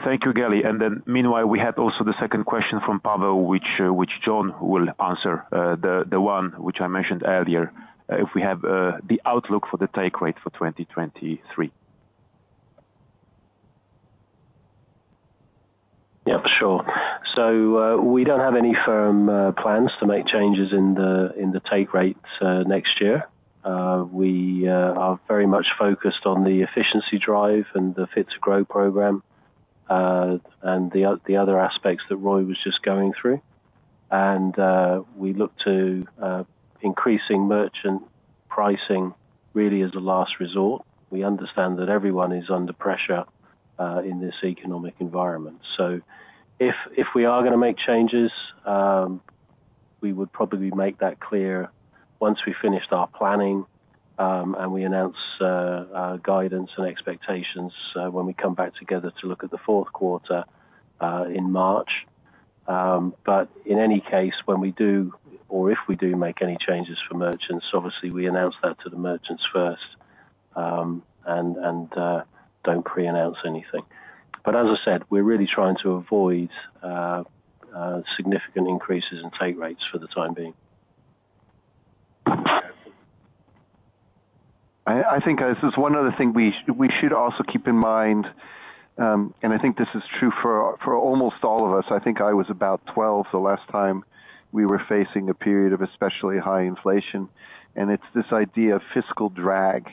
Thank you, Gelly. Meanwhile, we had also the second question from Pavel, which John will answer. The one which I mentioned earlier, if we have, the outlook for the take rate for 2023. Yeah, sure. We don't have any firm plans to make changes in the take rates next year. We are very much focused on the efficiency drive and the Fit to Grow program and the other aspects that Roy was just going through. We look to increasing merchant pricing really as a last resort. We understand that everyone is under pressure in this economic environment. If we are gonna make changes, we would probably make that clear once we finished our planning and we announce our guidance and expectations when we come back together to look at the Q4 in March. In any case, when we do or if we do make any changes for merchants, obviously we announce that to the merchants first, and don't pre-announce anything. As I said, we're really trying to avoid significant increases in take rates for the time being. I think this is one other thing we should also keep in mind. I think this is true for almost all of us. I think I was about 12 the last time we were facing a period of especially high inflation, and it's this idea of fiscal drag.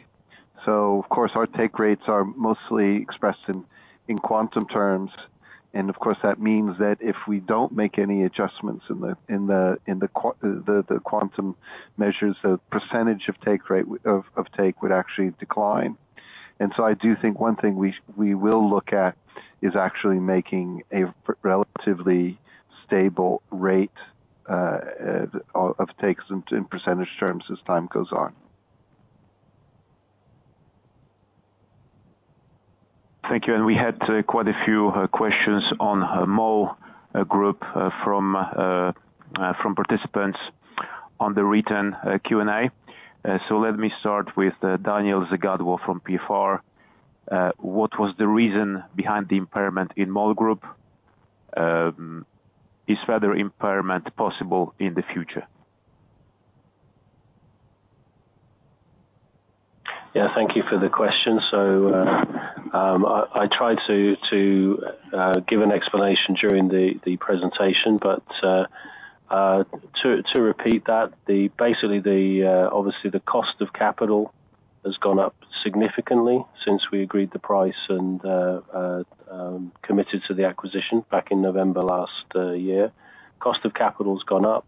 Of course, our take rates are mostly expressed in quantum terms. Of course, that means that if we don't make any adjustments in the quantum measures, the percentage of take rate of take would actually decline. I do think one thing we will look at is actually making a relatively stable rate of takes in percentage terms as time goes on. Thank you. We had quite a few questions on Mall Group from participants on the written Q and A. Let me start with Daniel Zegadło from PFR. What was the reason behind the impairment in Mall Group? Is further impairment possible in the future? Yeah, thank you for the question. I tried to give an explanation during the presentation, but to repeat that, basically the obviously the cost of capital has gone up significantly since we agreed the price and committed to the acquisition back in November last year. Cost of capital's gone up.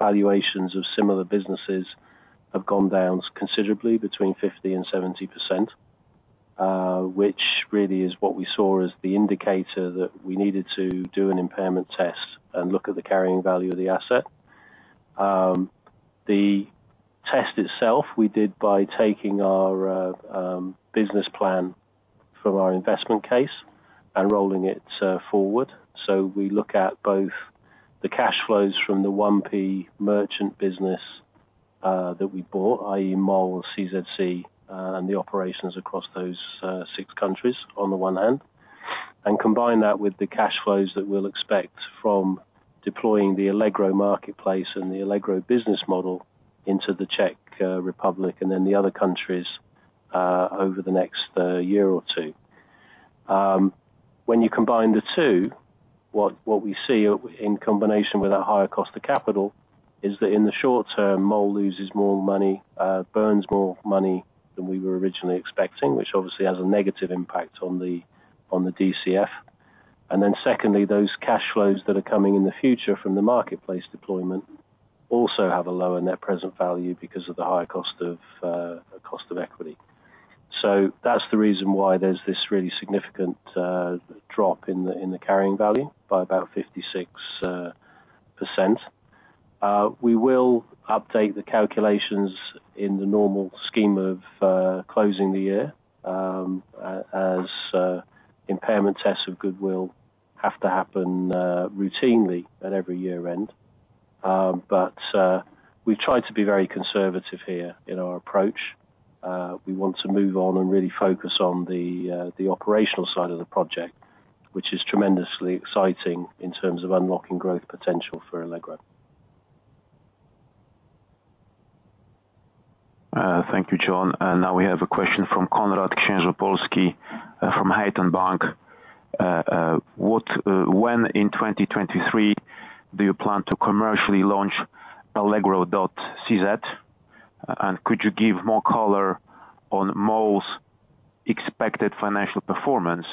Valuations of similar businesses have gone down considerably between 50% and 70%, which really is what we saw as the indicator that we needed to do an impairment test and look at the carrying value of the asset. The test itself we did by taking our business plan from our investment case and rolling it forward. We look at both the cash flows from the 1P merchant business, that we bought, i.e., MALL, CZC, and the operations across those six countries on the one hand, and combine that with the cash flows that we'll expect from deploying the Allegro marketplace and the Allegro business model into the Czech Republic and then the other countries over the next year or two. When you combine the two, what we see in combination with that higher cost of capital is that in the short term, MALL loses more money, burns more money than we were originally expecting, which obviously has a negative impact on the DCF. Secondly, those cash flows that are coming in the future from the marketplace deployment also have a lower net present value because of the higher cost of cost of equity. That's the reason why there's this really significant drop in the in the carrying value by about 56%. We will update the calculations in the normal scheme of closing the year, as impairment tests of goodwill have to happen routinely at every year-end. We've tried to be very conservative here in our approach. We want to move on and really focus on the operational side of the project, which is tremendously exciting in terms of unlocking growth potential for Allegro. Thank you, John. Now we have a question from Konrad Księżopolski, from Haitong Bank. When in 2023 do you plan to commercially launch allegro.cz? Could you give more color on MALL's expected financial performance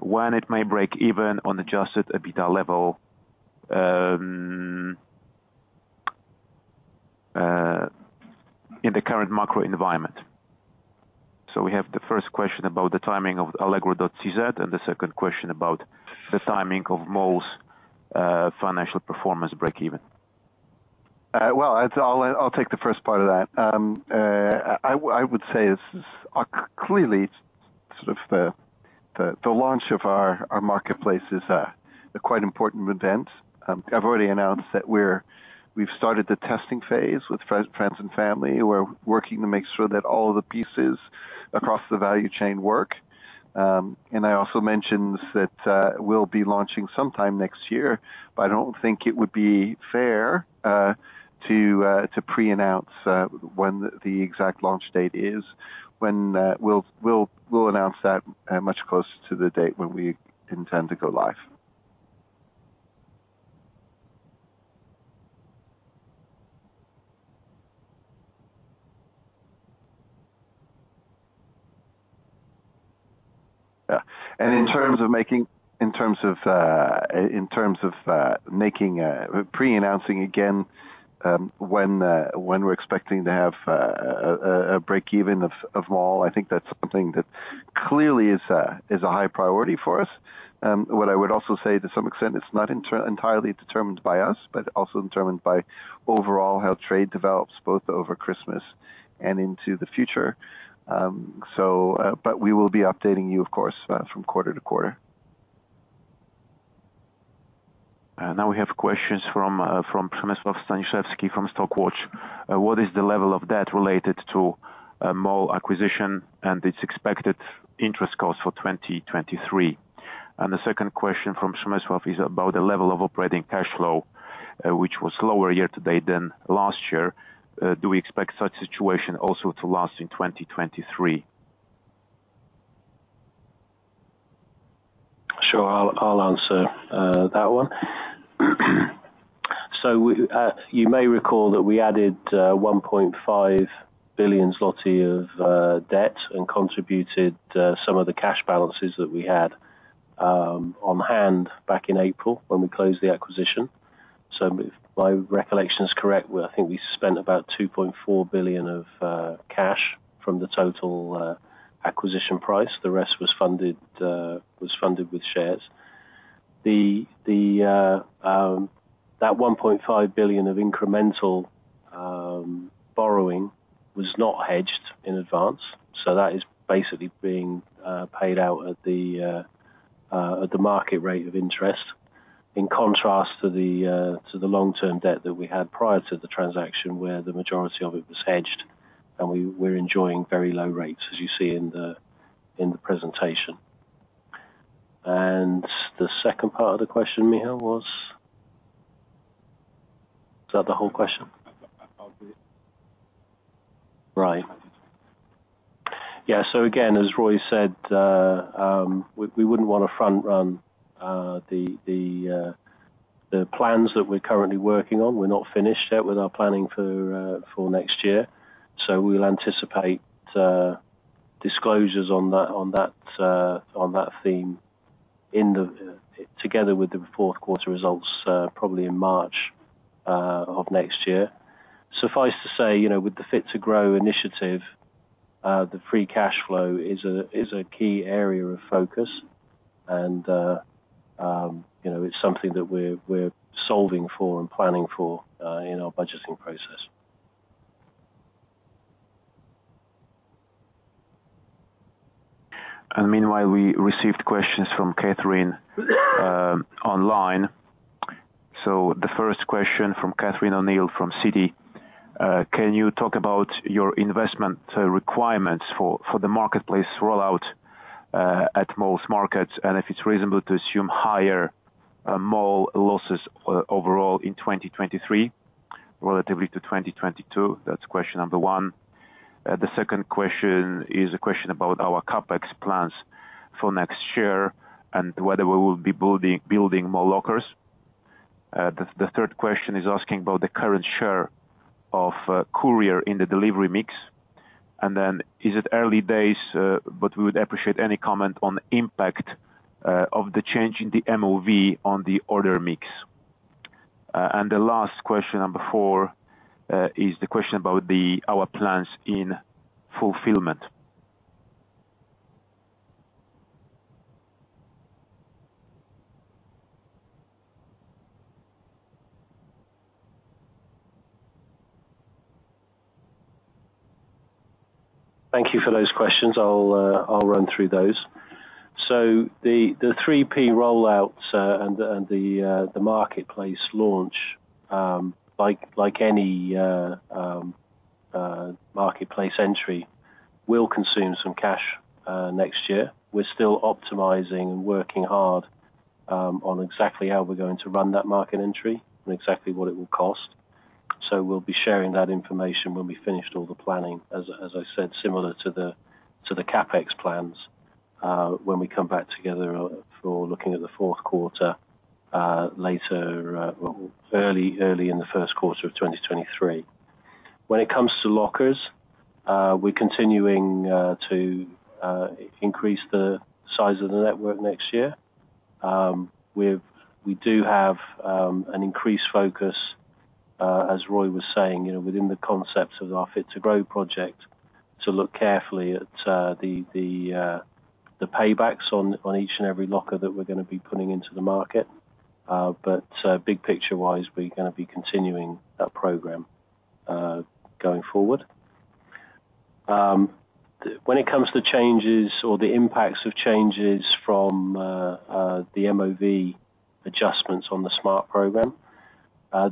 when it may break even on adjusted EBITDA level, in the current macro environment? We have the first question about the timing of allegro.cz and the second question about the timing of MALL's financial performance break even. Well, I'll take the first part of that. I would say this is clearly sort of the launch of our marketplace is a quite important event. I've already announced that we've started the testing phase with friends and family. We're working to make sure that all the pieces across the value chain work. I also mentioned that we'll be launching sometime next year, but I don't think it would be fair to preannounce when the exact launch date is when we'll announce that much closer to the date when we intend to go live. In terms of making preannouncing again, when we're expecting to have a break even of MALL, I think that's something that clearly is a high priority for us. What I would also say, to some extent, it's not entirely determined by us, but also determined by overall how trade develops both over Christmas and into the future. We will be updating you, of course, from quarter to quarter. Now we have questions from Przemysław Staniszewski from Stockwatch.pl. What is the level of debt related to Mall acquisition and its expected interest cost for 2023? The second question from Przemysław is about the level of operating cash flow, which was lower year-to-date than last year. Do we expect such situation also to last in 2023? Sure. I'll answer that one. We, you may recall that we added 1.5 billion zloty of debt and contributed some of the cash balances that we had on hand back in April when we closed the acquisition. If my recollection is correct, well, I think we spent about 2.4 billion of cash from the total acquisition price. The rest was funded with shares. That 1.5 billion of incremental borrowing was not hedged in advance, that is basically being paid out at the market rate of interest. In contrast to the, to the long-term debt that we had prior to the transaction where the majority of it was hedged and we're enjoying very low rates, as you see in the, in the presentation. The second part of the question, Michał, was? Is that the whole question? That was it. Yeah, again, as Roy said, we wouldn't wanna front run the plans that we're currently working on. We're not finished yet with our planning for next year, we'll anticipate disclosures on that theme in the, together with the Q4 results, probably in March of next year. Suffice to say, you know, with the Fit to Grow initiative, the free cash flow is a key area of focus and, you know, it's something that we're solving for and planning for in our budgeting process. Meanwhile, we received questions from Catherine, online. The first question from Catherine from Citi, Can you talk about your investment requirements for the marketplace rollout at MALL markets? If it's reasonable to assume higher MALL losses overall in 2023 relatively to 2022. That's question number one. The second question is a question about our CapEx plans for next year and whether we will be building more lockers. The third question is asking about the current share of courier in the delivery mix. Is it early days, but we would appreciate any comment on impact of the change in the MOV on the order mix. The last question, number four, is the question about our plans in fulfillment. Thank you for those questions. I'll run through those. The, the 3P rollouts, and the, and the marketplace launch, like any marketplace entry will consume some cash next year. We're still optimizing and working hard on exactly how we're going to run that market entry and exactly what it will cost. We'll be sharing that information when we finished all the planning, as I said, similar to the, to the CapEx plans, when we come back together for looking at the Q4, later, well, early in the Q1 of 2023. When it comes to lockers, we're continuing to increase the size of the network next year. We've, we do have an increased focus, as Roy was saying, you know, within the concepts of our Fit to Grow project, to look carefully at the paybacks on each and every locker that we're going to be putting into the market. Big picture-wise, we're going to be continuing that program going forward. When it comes to changes or the impacts of changes from the MOV adjustments on the Smart program,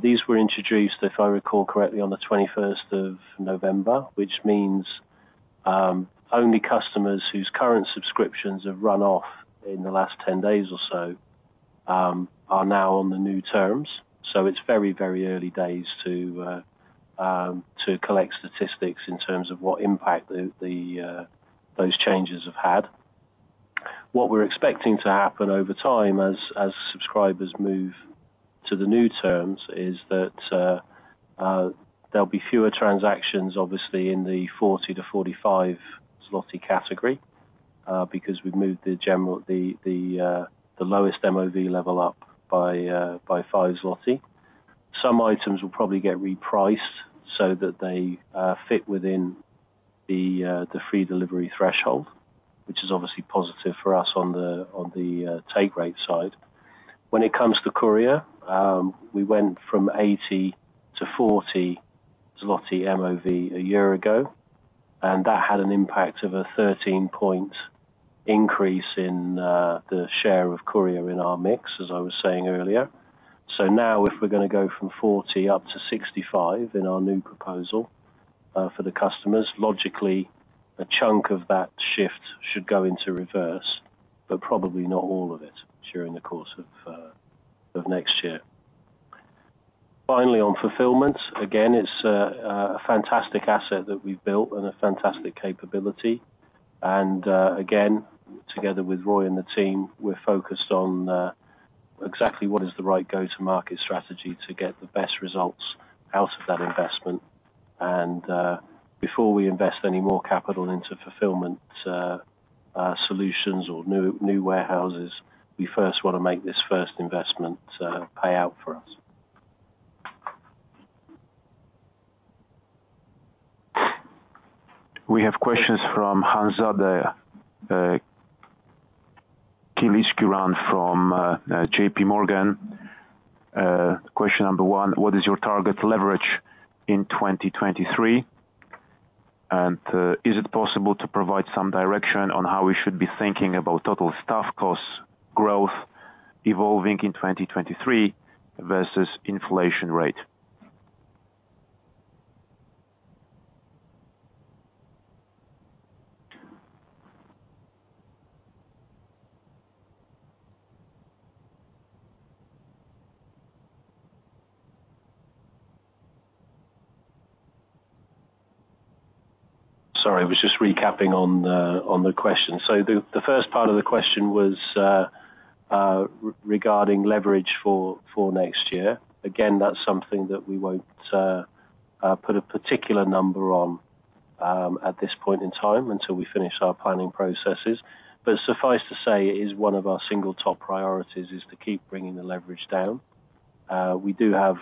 these were introduced, if I recall correctly, on the 21st of November, which means only customers whose current subscriptions have run off in the last 10 days or so, are now on the new terms. So it's very, very early days to collect statistics in terms of what impact those changes have had. What we're expecting to happen over time as subscribers move to the new terms is that there'll be fewer transactions, obviously, in the 40 to 45 zloty category, because we've moved the general, the, the lowest MOV level up by 5 zloty. Some items will probably get repriced so that they fit within the free delivery threshold, which is obviously positive for us on the take rate side. When it comes to courier, we went from 80 to 40 zloty MOV a year ago, and that had an impact of a 13-point increase in the share of courier in our mix, as I was saying earlier. Now if we're gonna go from 40 up to 65 in our new proposal For the customers, logically, a chunk of that shift should go into reverse, but probably not all of it during the course of next year. Finally, on fulfillment, again, it's a fantastic asset that we've built and a fantastic capability. Again, together with Roy and the team, we're focused on exactly what is the right go-to-market strategy to get the best results out of that investment. Before we invest any more capital into fulfillment solutions or new warehouses, we first wanna make this first investment pay out for us. We have questions from [inaudible] from, J.P. Morgan. Question number one, what is your target leverage in 2023? Is it possible to provide some direction on how we should be thinking about total staff cost growth evolving in 2023 versus inflation rate? Sorry, I was just recapping on the, on the question. The first part of the question was regarding leverage for next year. Again, that's something that we won't put a particular number on at this point in time until we finish our planning processes. Suffice to say, it is one of our single top priorities, is to keep bringing the leverage down. We do have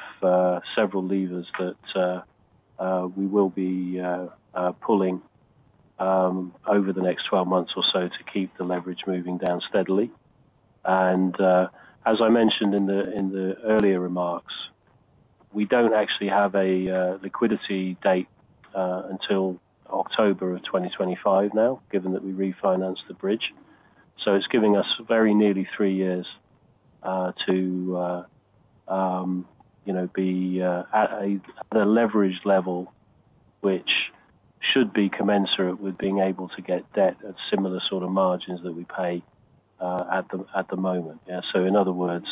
several levers that we will be pulling over the next 12 months or so to keep the leverage moving down steadily. As I mentioned in the earlier remarks, we don't actually have a liquidity date until October of 2025 now, given that we refinanced the bridge. It's giving us very nearly three years to, you know, be at a leverage level, which should be commensurate with being able to get debt at similar sort of margins that we pay at the moment. Yeah, in other words,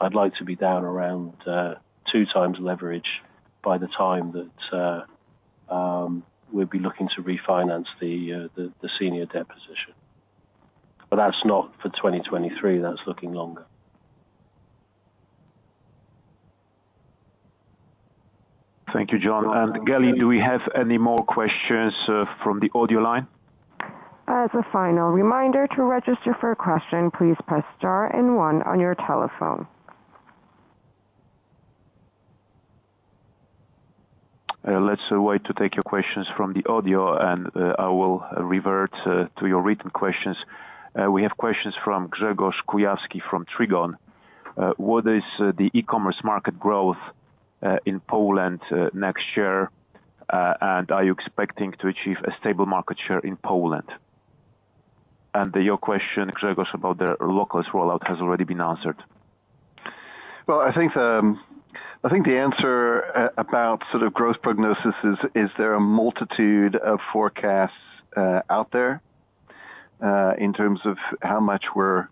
I'd like to be down around two times leverage by the time that we'd be looking to refinance the senior debt position. That's not for 2023. That's looking longer. Thank you, John. Kelly, do we have any more questions from the audio line? As a final reminder, to register for a question, please press star and one on your telephone. Let's wait to take your questions from the audio, and I will revert to your written questions. We have questions from Grzegorz Kujawski from Trigon. What is the e-commerce market growth in Poland next year? Are you expecting to achieve a stable market share in Poland? Your question, Grzegorz, about the LokOS rollout has already been answered. Well, I think, I think the answer about sort of growth prognosis is there are a multitude of forecasts out there in terms of how much we're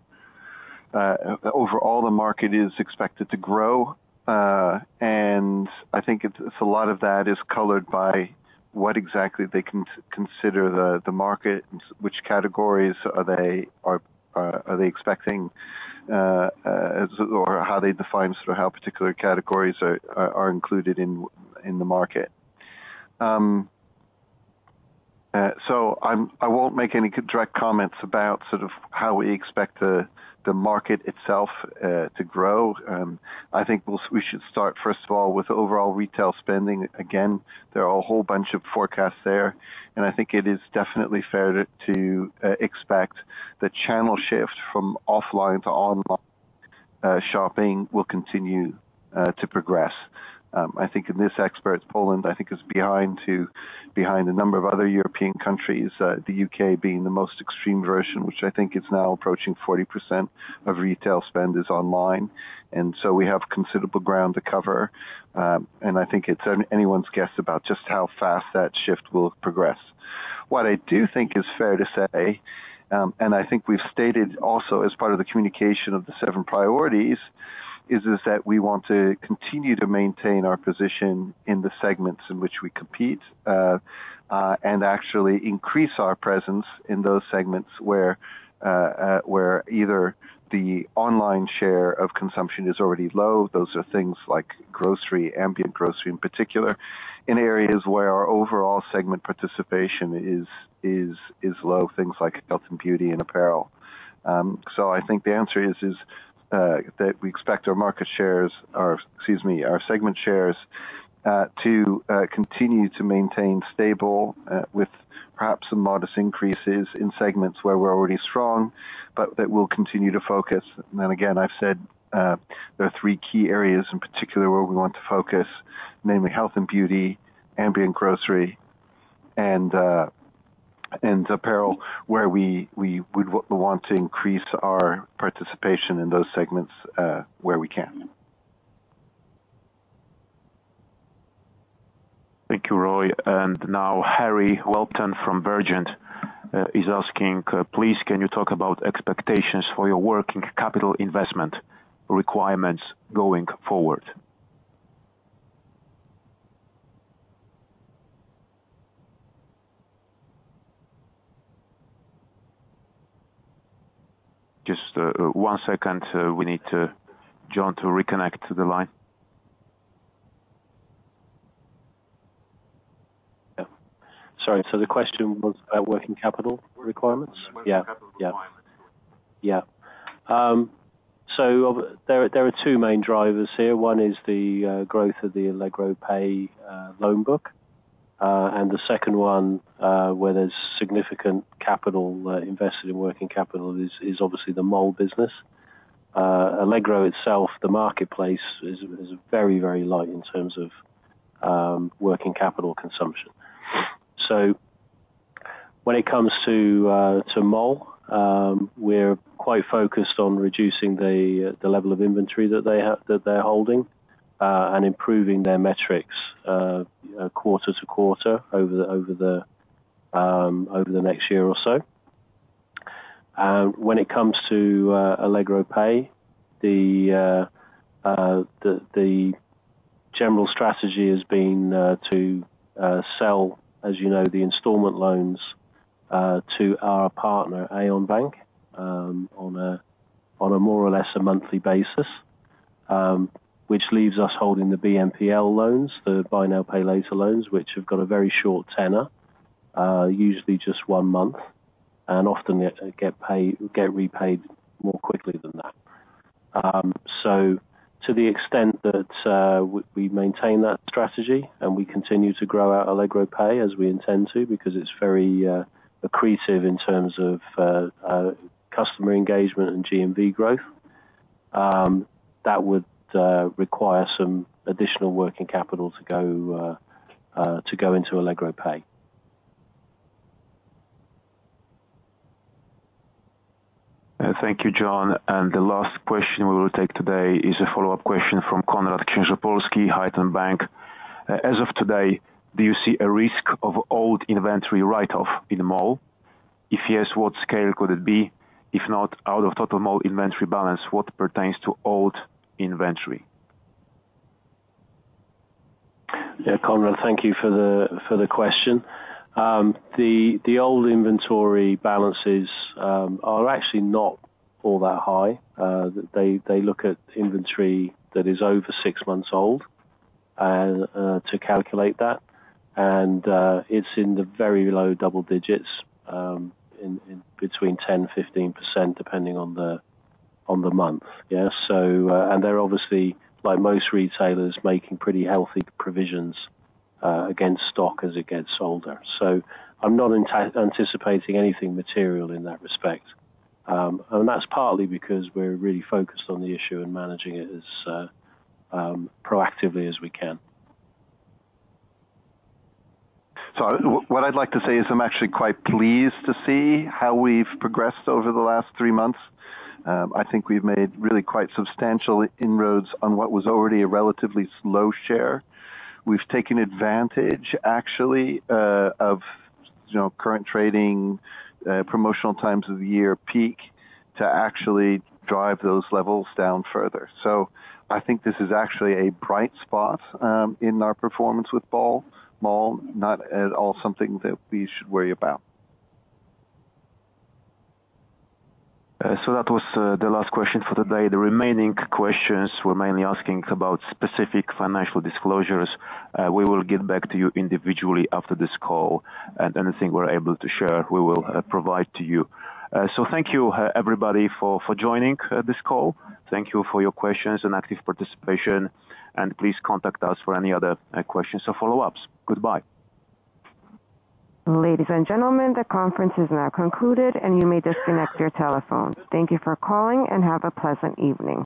overall the market is expected to grow. I think it's, a lot of that is colored by what exactly they consider the market, which categories are they expecting or how they define sort of how particular categories are included in the market. I won't make any direct comments about sort of how we expect the market itself to grow. I think we should start, first of all, with overall retail spending. There are a whole bunch of forecasts there, and I think it is definitely fair to expect the channel shift from offline to online shopping will continue to progress. I think in this expert, Poland, I think is behind a number of other European countries, the UK being the most extreme version, which I think is now approaching 40% of retail spend is online. We have considerable ground to cover, and I think it's anyone's guess about just how fast that shift will progress. What I do think is fair to say, I think we've stated also as part of the communication of the seven priorities, is that we want to continue to maintain our position in the segments in which we compete, and actually increase our presence in those segments where either the online share of consumption is already low. Those are things like grocery, ambient grocery in particular, in areas where our overall segment participation is low, things like health and beauty and apparel. I think the answer is that we expect our market shares or, excuse me, our segment shares to continue to maintain stable, with perhaps some modest increases in segments where we're already strong, but that we'll continue to focus. Again, I've said, there are three key areas in particular where we want to focus, namely health and beauty, ambient grocery, and. apparel where we would want to increase our participation in those segments, where we can. Thank you, Roy. Now Harry Welton from Berenberg is asking, please can you talk about expectations for your working capital investment requirements going forward? Just one second. We need John to reconnect to the line. Yeah. Sorry, the question was about working capital requirements? Working capital requirements. Yeah. Yeah. Yeah. There are two main drivers here. One is the growth of the Allegro Pay loan book. The second one, where there's significant capital invested in working capital is obviously the MALL business. Allegro itself, the marketplace is very, very light in terms of working capital consumption. When it comes to MALL, we're quite focused on reducing the level of inventory that they're holding and improving their metrics quarter to quarter over the next year or so. When it comes to Allegro Pay, the general strategy has been to sell, as you know, the installment loans to our partner, Alior Bank, on a more or less a monthly basis, which leaves us holding the BNPL loans, the buy now pay later loans, which have got a very short tenor, usually just one month, and often they get repaid more quickly than that. To the extent that we maintain that strategy and we continue to grow our Allegro Pay as we intend to, because it's very accretive in terms of customer engagement and GMV growth, that would require some additional working capital to go into Allegro Pay. Thank you, John. The last question we will take today is a follow-up question from Konrad Księżopolski, Haitong Bank. As of today, do you see a risk of old inventory write-off in MALL? If yes, what scale could it be? If not, out of total MALL inventory balance, what pertains to old inventory? Konrad, thank you for the question. The old inventory balances are actually not all that high. They look at inventory that is over six months old and to calculate that. It's in the very low double digits, between 10% to 15%, depending on the month. They're obviously, like most retailers, making pretty healthy provisions against stock as it gets older. I'm not anticipating anything material in that respect. That's partly because we're really focused on the issue and managing it as proactively as we can. What I'd like to say is I'm actually quite pleased to see how we've progressed over the last three months. I think we've made really quite substantial inroads on what was already a relatively slow share. We've taken advantage, actually, of, you know, current trading, promotional times of the year peak to actually drive those levels down further. I think this is actually a bright spot in our performance with MALL. MALL not at all something that we should worry about. That was the last question for the day. The remaining questions were mainly asking about specific financial disclosures. We will get back to you individually after this call, and anything we're able to share, we will provide to you. Thank you everybody for joining this call. Thank you for your questions and active participation, and please contact us for any other questions or follow-ups. Goodbye. Ladies and gentlemen, the conference is now concluded and you may disconnect your telephones. Thank you for calling and have a pleasant evening.